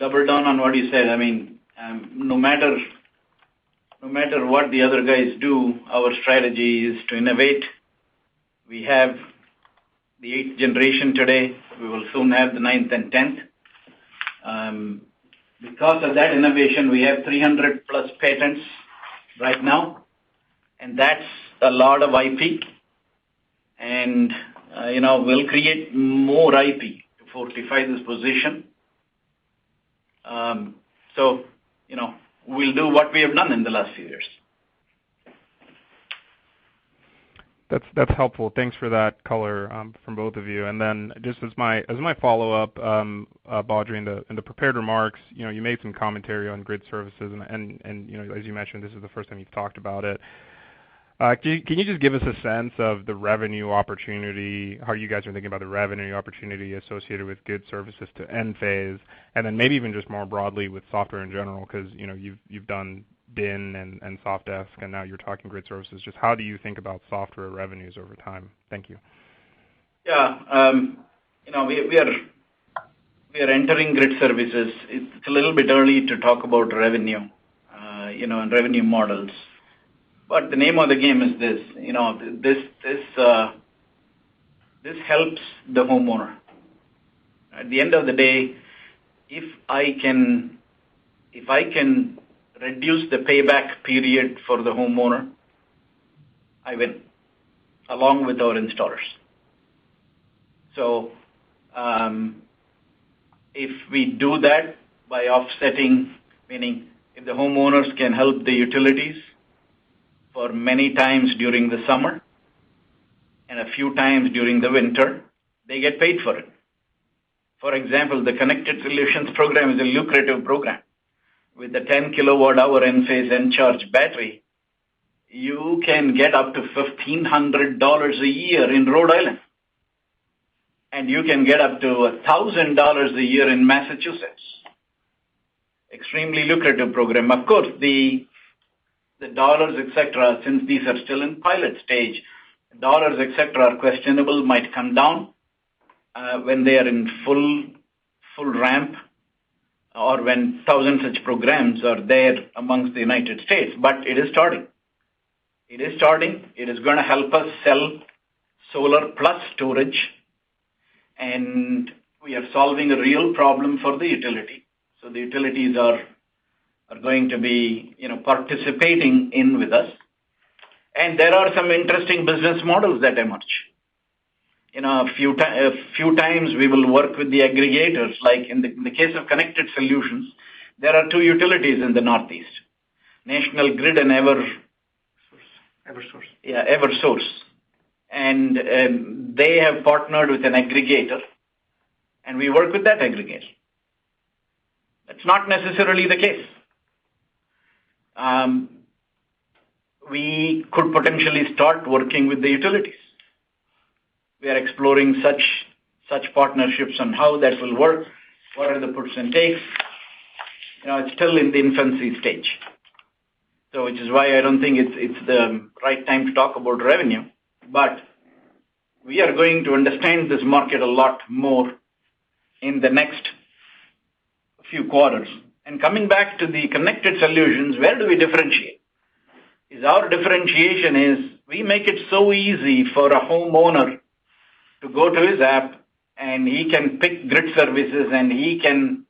double down on what he said, I mean, no matter what the other guys do, our strategy is to innovate. We have the eighth generation today. We will soon have the ninth and tenth. Because of that innovation, we have 300+ patents right now, and that's a lot of IP. You know, we'll create more IP to fortify this position. You know, we'll do what we have done in the last few years. That's helpful. Thanks for that color from both of you. Then just as my follow-up, Badri, in the prepared remarks, you know, you made some commentary on grid services, and, you know, as you mentioned, this is the first time you've talked about it. Can you just give us a sense of the revenue opportunity, how you guys are thinking about the revenue opportunity associated with grid services to Enphase, and then maybe even just more broadly with software in general, 'cause, you know, you've done DIN and Sofdesk, and now you're talking grid services. Just how do you think about software revenues over time? Thank you. Yeah. You know, we are entering grid services. It's a little bit early to talk about revenue, you know, and revenue models. The name of the game is this, you know, this helps the homeowner. At the end of the day, if I can reduce the payback period for the homeowner, I win, along with our installers. If we do that by offsetting, meaning if the homeowners can help the utilities for many times during the summer and a few times during the winter, they get paid for it. For example, the ConnectedSolutions program is a lucrative program. With the 10 kWh Enphase Encharge battery, you can get up to $1,500 a year in Rhode Island, and you can get up to $1,000 a year in Massachusetts. Extremely lucrative program. Of course, the dollars, et cetera, since these are still in pilot stage, dollars, et cetera, are questionable, might come down when they are in full ramp or when thousands such programs are there amongst the U.S. It is starting. It is starting. It is gonna help us sell solar plus storage, and we are solving a real problem for the utility. The utilities are going to be, you know, participating in with us. There are some interesting business models that emerge. You know, a few times we will work with the aggregators, like in the case of ConnectedSolutions, there are two utilities in the Northeast, National Grid and Eversource. Source. Eversource. Yeah, Eversource. They have partnered with an aggregator, and we work with that aggregator. That's not necessarily the case. We could potentially start working with the utilities. We are exploring such partnerships on how that will work. What are the percentages? You know, it's still in the infancy stage. Which is why I don't think it's the right time to talk about revenue. We are going to understand this market a lot more in the next few quarters. Coming back to the ConnectedSolutions, where do we differentiate? Is our differentiation is, we make it so easy for a homeowner to go to his app, and he can pick grid services, and he can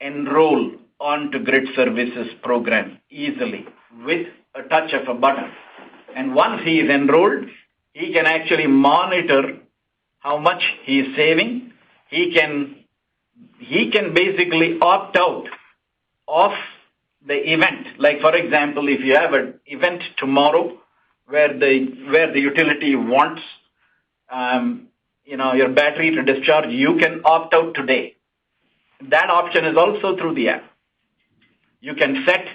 enroll onto grid services program easily with a touch of a button. Once he is enrolled, he can actually monitor how much he's saving. He can basically opt out of the event. For example, if you have an event tomorrow where the utility wants, you know, your battery to discharge, you can opt out today. That option is also through the app. You can set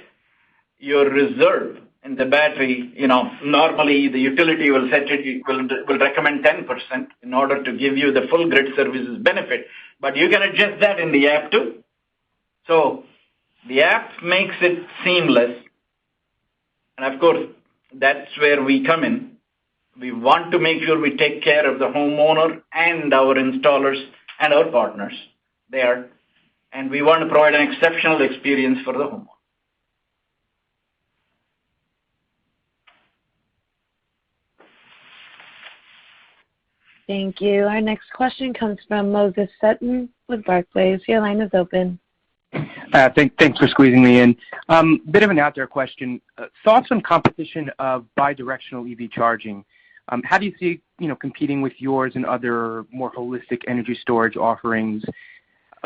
your reserve in the battery. You know, normally the utility will set it, will recommend 10% in order to give you the full grid services benefit. You can adjust that in the app too. The app makes it seamless. Of course, that's where we come in. We want to make sure we take care of the homeowner and our installers and our partners. They are. We want to provide an exceptional experience for the homeowner. Thank you. Our next question comes from Moses Sutton with Barclays. Your line is open. Thanks for squeezing me in. A bit of an out-there question. Thoughts on competition of bidirectional EV charging. How do you see, you know, competing with yours and other more holistic energy storage offerings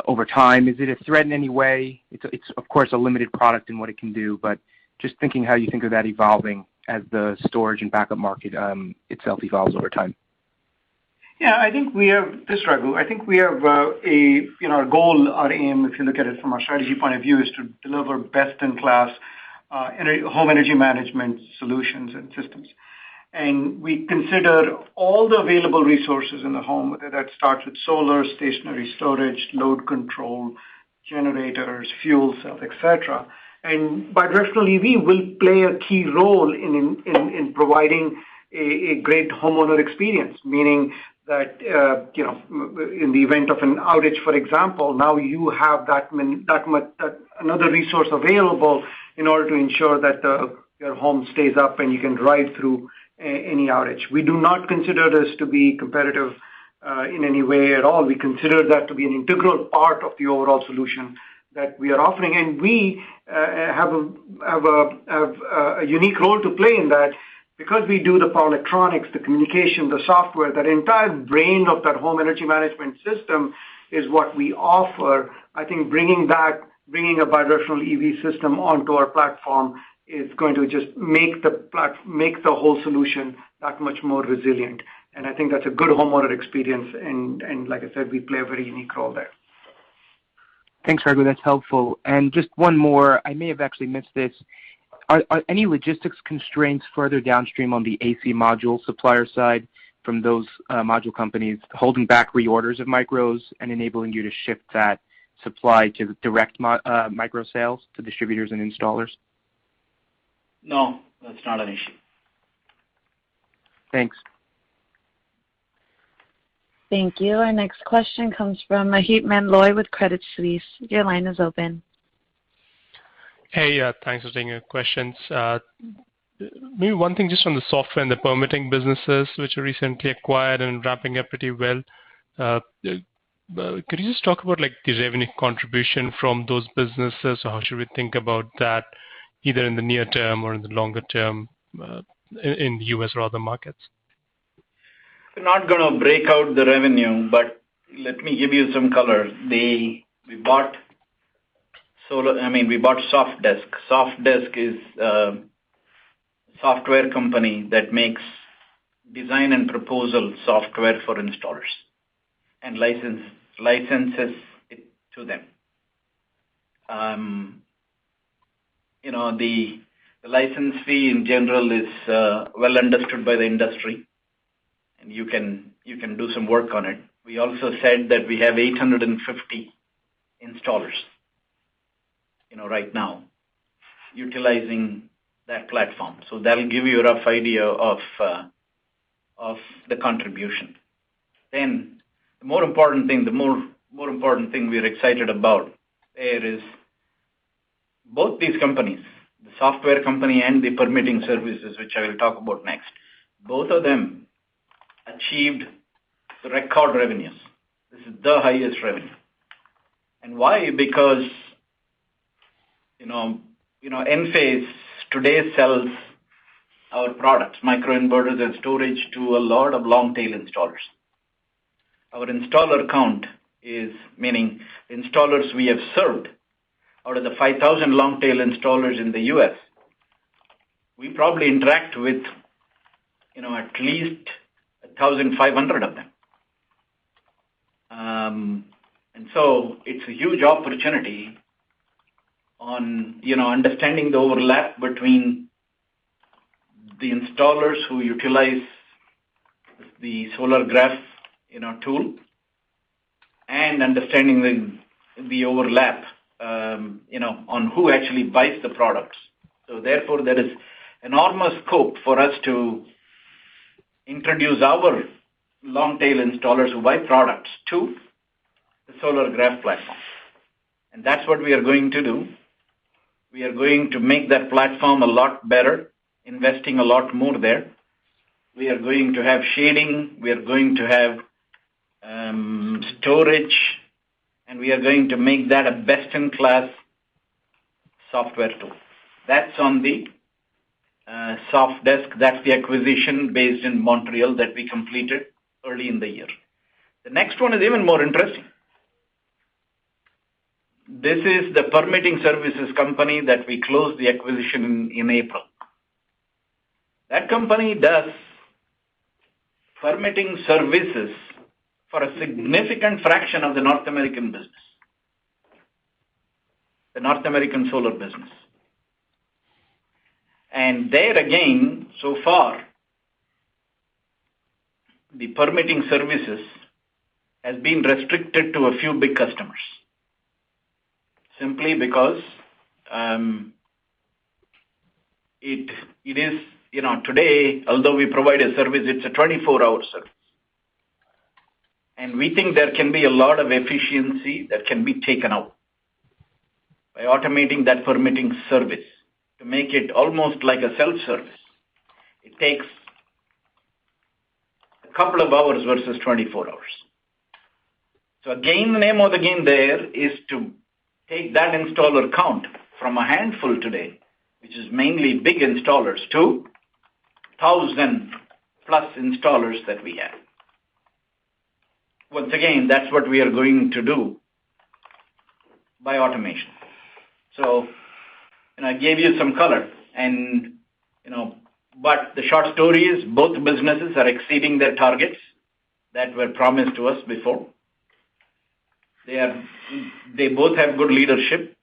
over time? Is it a threat in any way? It's of course, a limited product in what it can do, but just thinking how you think of that evolving as the storage and backup market itself evolves over time. Yeah, I think we have. This is Raghu. I think we have, you know, our goal, our aim, if you look at it from a strategy point of view, is to deliver best-in-class home energy management solutions and systems. We consider all the available resources in the home, that starts with solar, stationary storage, Load Control, generators, fuel cell, et cetera. Bidirectional EV will play a key role in providing a great homeowner experience. Meaning that, you know, in the event of an outage, for example, now you have that much another resource available in order to ensure that your home stays up and you can ride through any outage. We do not consider this to be competitive in any way at all. We consider that to be an integral part of the overall solution that we are offering. We have a unique role to play in that because we do the power electronics, the communication, the software, that entire brain of that Enphase Energy Management System is what we offer. I think bringing a bidirectional EV system onto our platform is going to just make the whole solution that much more resilient. I think that's a good homeowner experience and, like I said, we play a very unique role there. Thanks, Raghu. That's helpful. Just one more. I may have actually missed this. Are any logistics constraints further downstream on the AC Module supplier side from those module companies holding back reorders of micros and enabling you to shift that supply to direct micro sales to distributors and installers? No, that's not an issue. Thanks. Thank you. Our next question comes from Maheep Mandloi with Credit Suisse. Your line is open. Hey, thanks for taking the questions. Maybe one thing just on the software and the permitting businesses which you recently acquired and wrapping up pretty well. Could you just talk about like the revenue contribution from those businesses or how should we think about that either in the near-term or in the longer-term, in the U.S. or other markets? We're not gonna break out the revenue, let me give you some color. We bought Sofdesk. Sofdesk is a software company that makes design and proposal software for installers and licenses it to them. You know, the license fee in general is well understood by the industry, and you can do some work on it. We also said that we have 850 installers, you know, right now utilizing that platform. That'll give you a rough idea of the contribution. The more important thing we are excited about here is both these companies, the software company and the permitting services, which I will talk about next, both of them achieved record revenues. This is the highest revenue. Why? You know, you know, Enphase today sells our products, microinverters and storage, to a lot of long-tail installers. Our installer count is, meaning installers we have served out of the 5,000 long-tail installers in the U.S., we probably interact with, you know, at least 1,500 of them. It's a huge opportunity on, you know, understanding the overlap between the installers who utilize the Solargraf, you know, tool and understanding the overlap, you know, on who actually buys the products. Therefore, there is enormous scope for us to introduce our long-tail installers who buy products to the Solargraf platform. That's what we are going to do. We are going to make that platform a lot better, investing a lot more there. We are going to have shading. We are going to have storage, and we are going to make that a best-in-class software tool. That's on the Sofdesk. That's the acquisition based in Montreal that we completed early in the year. The next one is even more interesting. This is the permitting services company that we closed the acquisition in April. That company does permitting services for a significant fraction of the North American business, the North American solar business. There again, so far. The permitting services has been restricted to a few big customers simply because, You know, today, although we provide a service, it's a 24-hour service. We think there can be a lot of efficiency that can be taken out by automating that permitting service to make it almost like a self-service. It takes a couple of hours versus 24 hours. Again, the name of the game there is to take that installer count from a handful today, which is mainly big installers, to 1,000+ installers that we have. Once again, that's what we are going to do by automation. I gave you some color and, you know. The short story is both businesses are exceeding their targets that were promised to us before. They are they both have good leadership,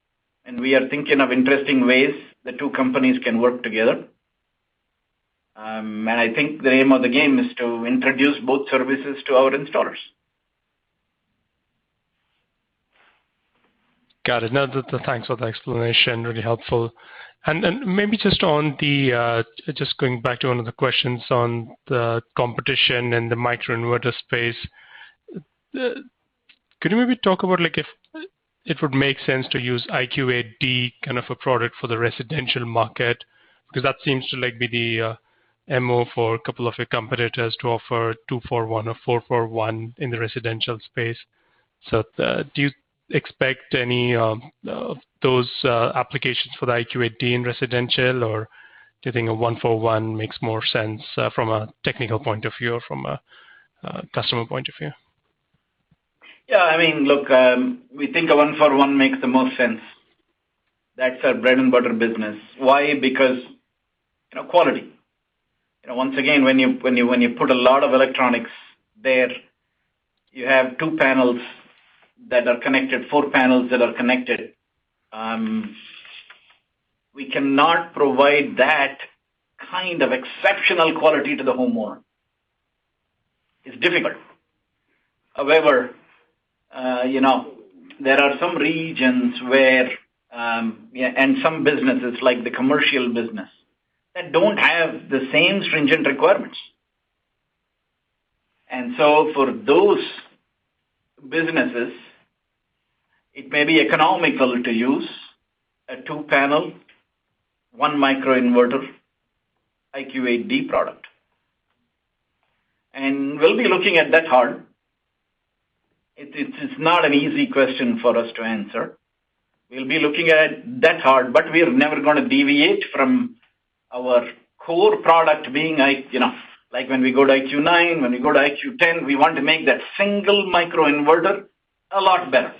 and we are thinking of interesting ways the two companies can work together. I think the name of the game is to introduce both services to our installers. Got it. No, thanks for the explanation. Really helpful. Maybe just on the, just going back to one of the questions on the competition and the microinverter space. Could you maybe talk about, like, if it would make sense to use IQ8D kind of a product for the residential market? Because that seems to, like, be the MO for a couple of your competitors to offer two-for-one or four-for-one in the residential space. Do you expect any those applications for the IQ8D in residential or do you think a one-for-one makes more sense from a technical point of view or from a customer point of view? I mean, look, we think a one-for-one makes the most sense. That's our bread and butter business. Why? Because, you know, quality. You know, once again, when you put a lot of electronics there, you have two panels that are connected, four panels that are connected. We cannot provide that kind of exceptional quality to the homeowner. It's difficult. However, you know, there are some regions where, yeah, and some businesses like the commercial business that don't have the same stringent requirements. For those businesses, it may be economical to use a two panel, one microinverter IQ8D product. We'll be looking at that hard. It's not an easy question for us to answer. We'll be looking at that hard, but we're never gonna deviate from our core product being I, you know, like when we go to IQ 9, when we go to IQ 10, we want to make that single microinverter a lot better.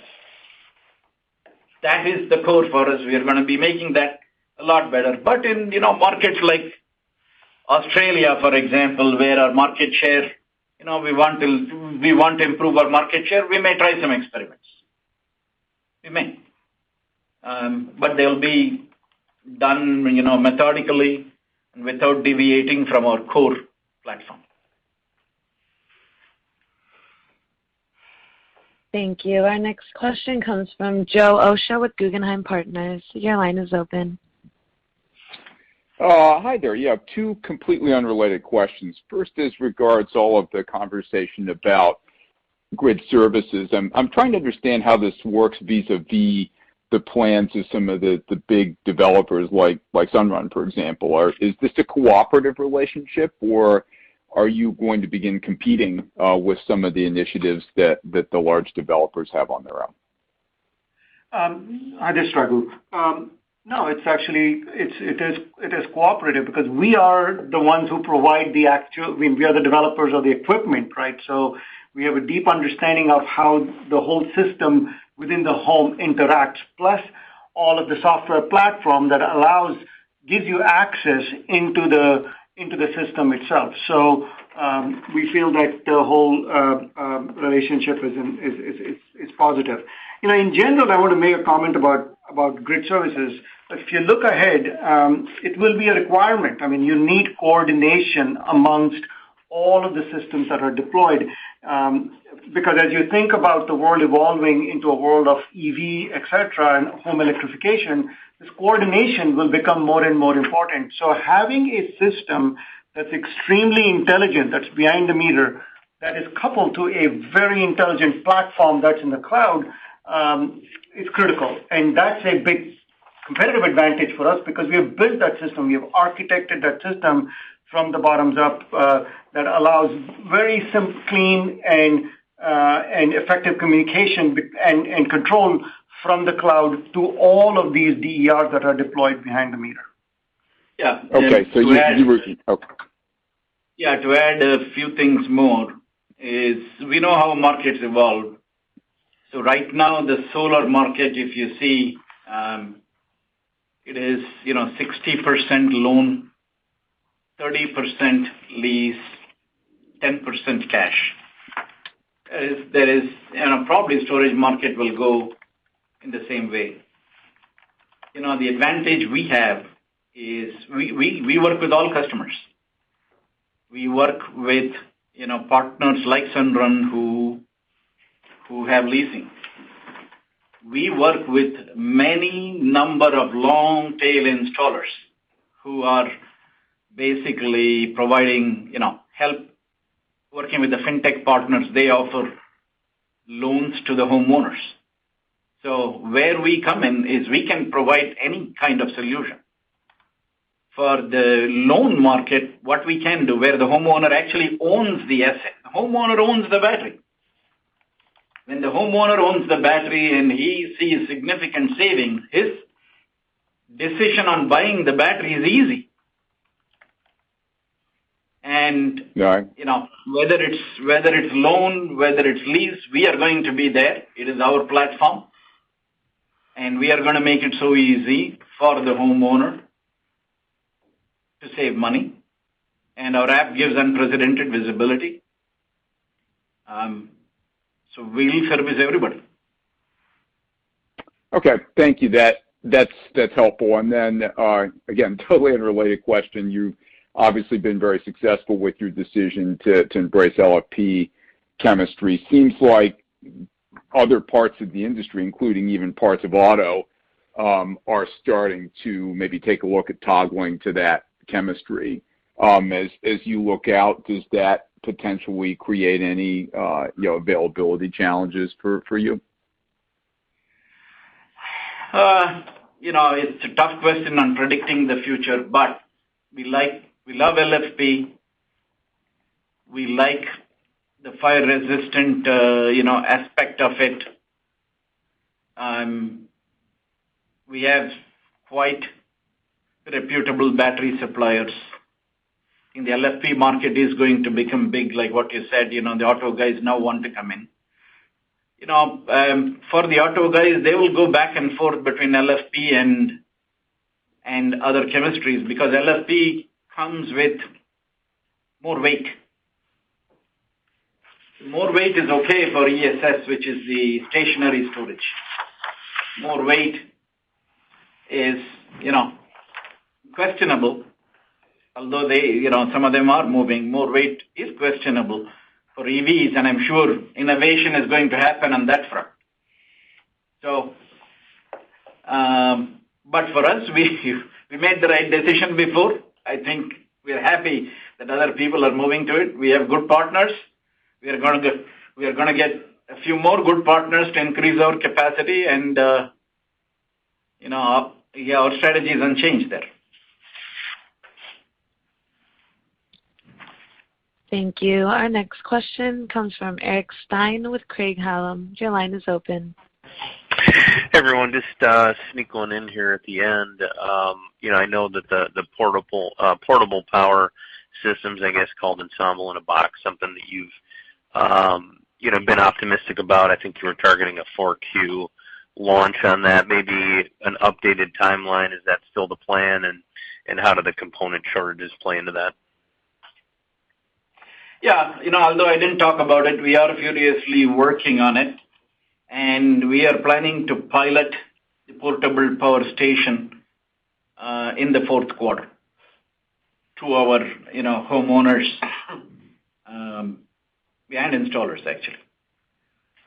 That is the core for us. We are gonna be making that a lot better. In, you know, markets like Australia, for example, where our market share, you know, we want to improve our market share, we may try some experiments. We may. They'll be done, you know, methodically and without deviating from our core platform. Thank you. Our next question comes from Joe Osha with Guggenheim Partners. Your line is open. Hi there. Two completely unrelated questions. First is regards all of the conversation about grid services. I'm trying to understand how this works vis-à-vis the plans of some of the big developers like Sunrun, for example. Is this a cooperative relationship, or are you going to begin competing with some of the initiatives that the large developers have on their own? Hi there, this is Raghu. No, it is actually cooperative because we are the ones who provide the actual, I mean, we are the developers of the equipment, right. We have a deep understanding of how the whole system within the home interacts, plus all of the software platform that allows, gives you access into the system itself. We feel that the whole relationship is positive. You know, in general, I want to make a comment about grid services. If you look ahead, it will be a requirement. I mean, you need coordination amongst all of the systems that are deployed because as you think about the world evolving into a world of EV, etc., and home electrification, this coordination will become more and more important. Having a system that's extremely intelligent, that's behind the meter, that is coupled to a very intelligent platform that's in the cloud, is critical. That's a big competitive advantage for us because we have built that system. We have architected that system from the bottom up, that allows very simple, clean, and effective communication and control from the cloud to all of these DERs that are deployed behind the meter. Yeah. Okay. you were Okay. Yeah. To add a few things more is we know how markets evolve. Right now, the solar market, if you see, it is, you know, 60% loan, 30% lease, 10% cash. There is probably storage market will go in the same way. You know, the advantage we have is we work with all customers. We work with, you know, partners like Sunrun who have leasing. We work with many number of long tail installers who are basically providing, you know, help. Working with the fintech partners, they offer loans to the homeowners. Where we come in is we can provide any kind of solution. For the loan market, what we can do, where the homeowner actually owns the asset. The homeowner owns the battery. When the homeowner owns the battery and he sees significant savings, his decision on buying the battery is easy. Right you know, whether it's loan, whether it's lease, we are going to be there. It is our platform. We are going to make it so easy for the homeowner to save money, and our app gives unprecedented visibility. We service everybody. Okay. Thank you. That's helpful. Again, totally unrelated question. You've obviously been very successful with your decision to embrace LFP chemistry. Seems like other parts of the industry, including even parts of auto, are starting to maybe take a look at toggling to that chemistry. As you look out, does that potentially create any, you know, availability challenges for you? You know, it's a tough question on predicting the future, we love LFP. We like the fire-resistant, you know, aspect of it. We have quite reputable battery suppliers, the LFP market is going to become big, like what you said. You know, the auto guys now want to come in. You know, for the auto guys, they will go back and forth between LFP and other chemistries because LFP comes with more weight. More weight is okay for ESS, which is the stationary storage. More weight is, you know, questionable, although they, you know, some of them are moving. More weight is questionable for EVs, I'm sure innovation is going to happen on that front. For us, we made the right decision before. I think we are happy that other people are moving to it. We have good partners, we are gonna get a few more good partners to increase our capacity and, you know, our, yeah, our strategy is unchanged there Thank you. Our next question comes from Eric Stine with Craig-Hallum. Your line is open. Hey, everyone. Just sneaking in here at the end. You know, I know that the portable power systems, I guess, called Ensemble in a Box, something that you've, you know, been optimistic about. I think you were targeting a 4Q launch on that. Maybe an updated timeline. Is that still the plan, and how do the component shortages play into that? Yeah. You know, although I didn't talk about it, we are furiously working on it, and we are planning to pilot the portable power station in the fourth quarter to our, you know, homeowners and installers, actually.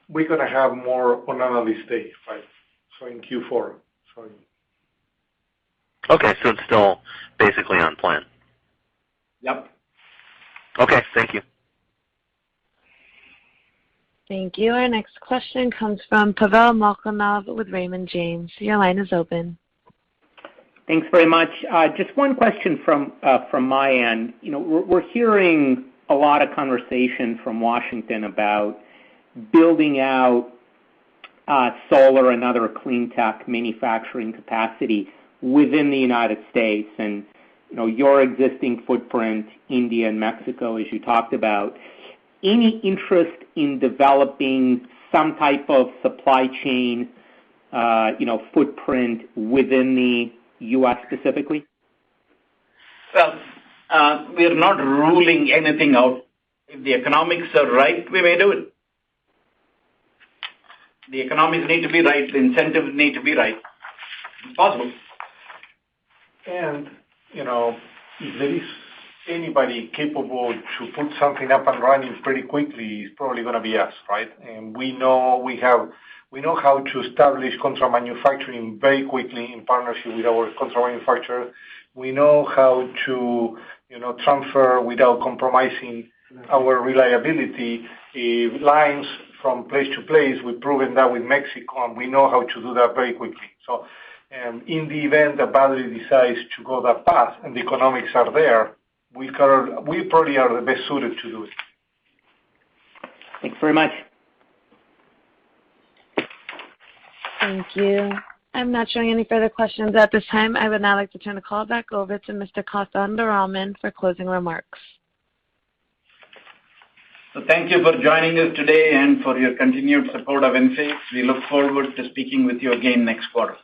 We're gonna have more on Analyst Day, right? In Q4. Sorry. Okay. It's still basically on plan. Yep. Okay. Thank you. Thank you. Our next question comes from Pavel Molchanov with Raymond James. Your line is open. Thanks very much. Just one question from my end. You know, we're hearing a lot of conversation from Washington about building out solar and other clean tech manufacturing capacity within the United States and, you know, your existing footprint, India and Mexico, as you talked about. Any interest in developing some type of supply chain, you know, footprint within the U.S. specifically? We are not ruling anything out. If the economics are right, we may do it. The economics need to be right. The incentives need to be right. It's possible. You know, if there is anybody capable to put something up and running pretty quickly, it's probably gonna be us, right? We know how to establish contract manufacturing very quickly in partnership with our contract manufacturer. We know how to, you know, transfer without compromising our reliability, lines from place to place. We've proven that with Mexico, and we know how to do that very quickly. In the event that Badri decides to go that path and the economics are there, We probably are the best suited to do it. Thanks very much. Thank you. I'm not showing any further questions at this time. I would now like to turn the call back over to Mr. Kothandaraman for closing remarks. Thank you for joining us today and for your continued support of Enphase. We look forward to speaking with you again next quarter.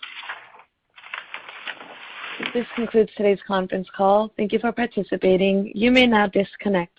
This concludes today's conference call. Thank you for participating. You may now disconnect.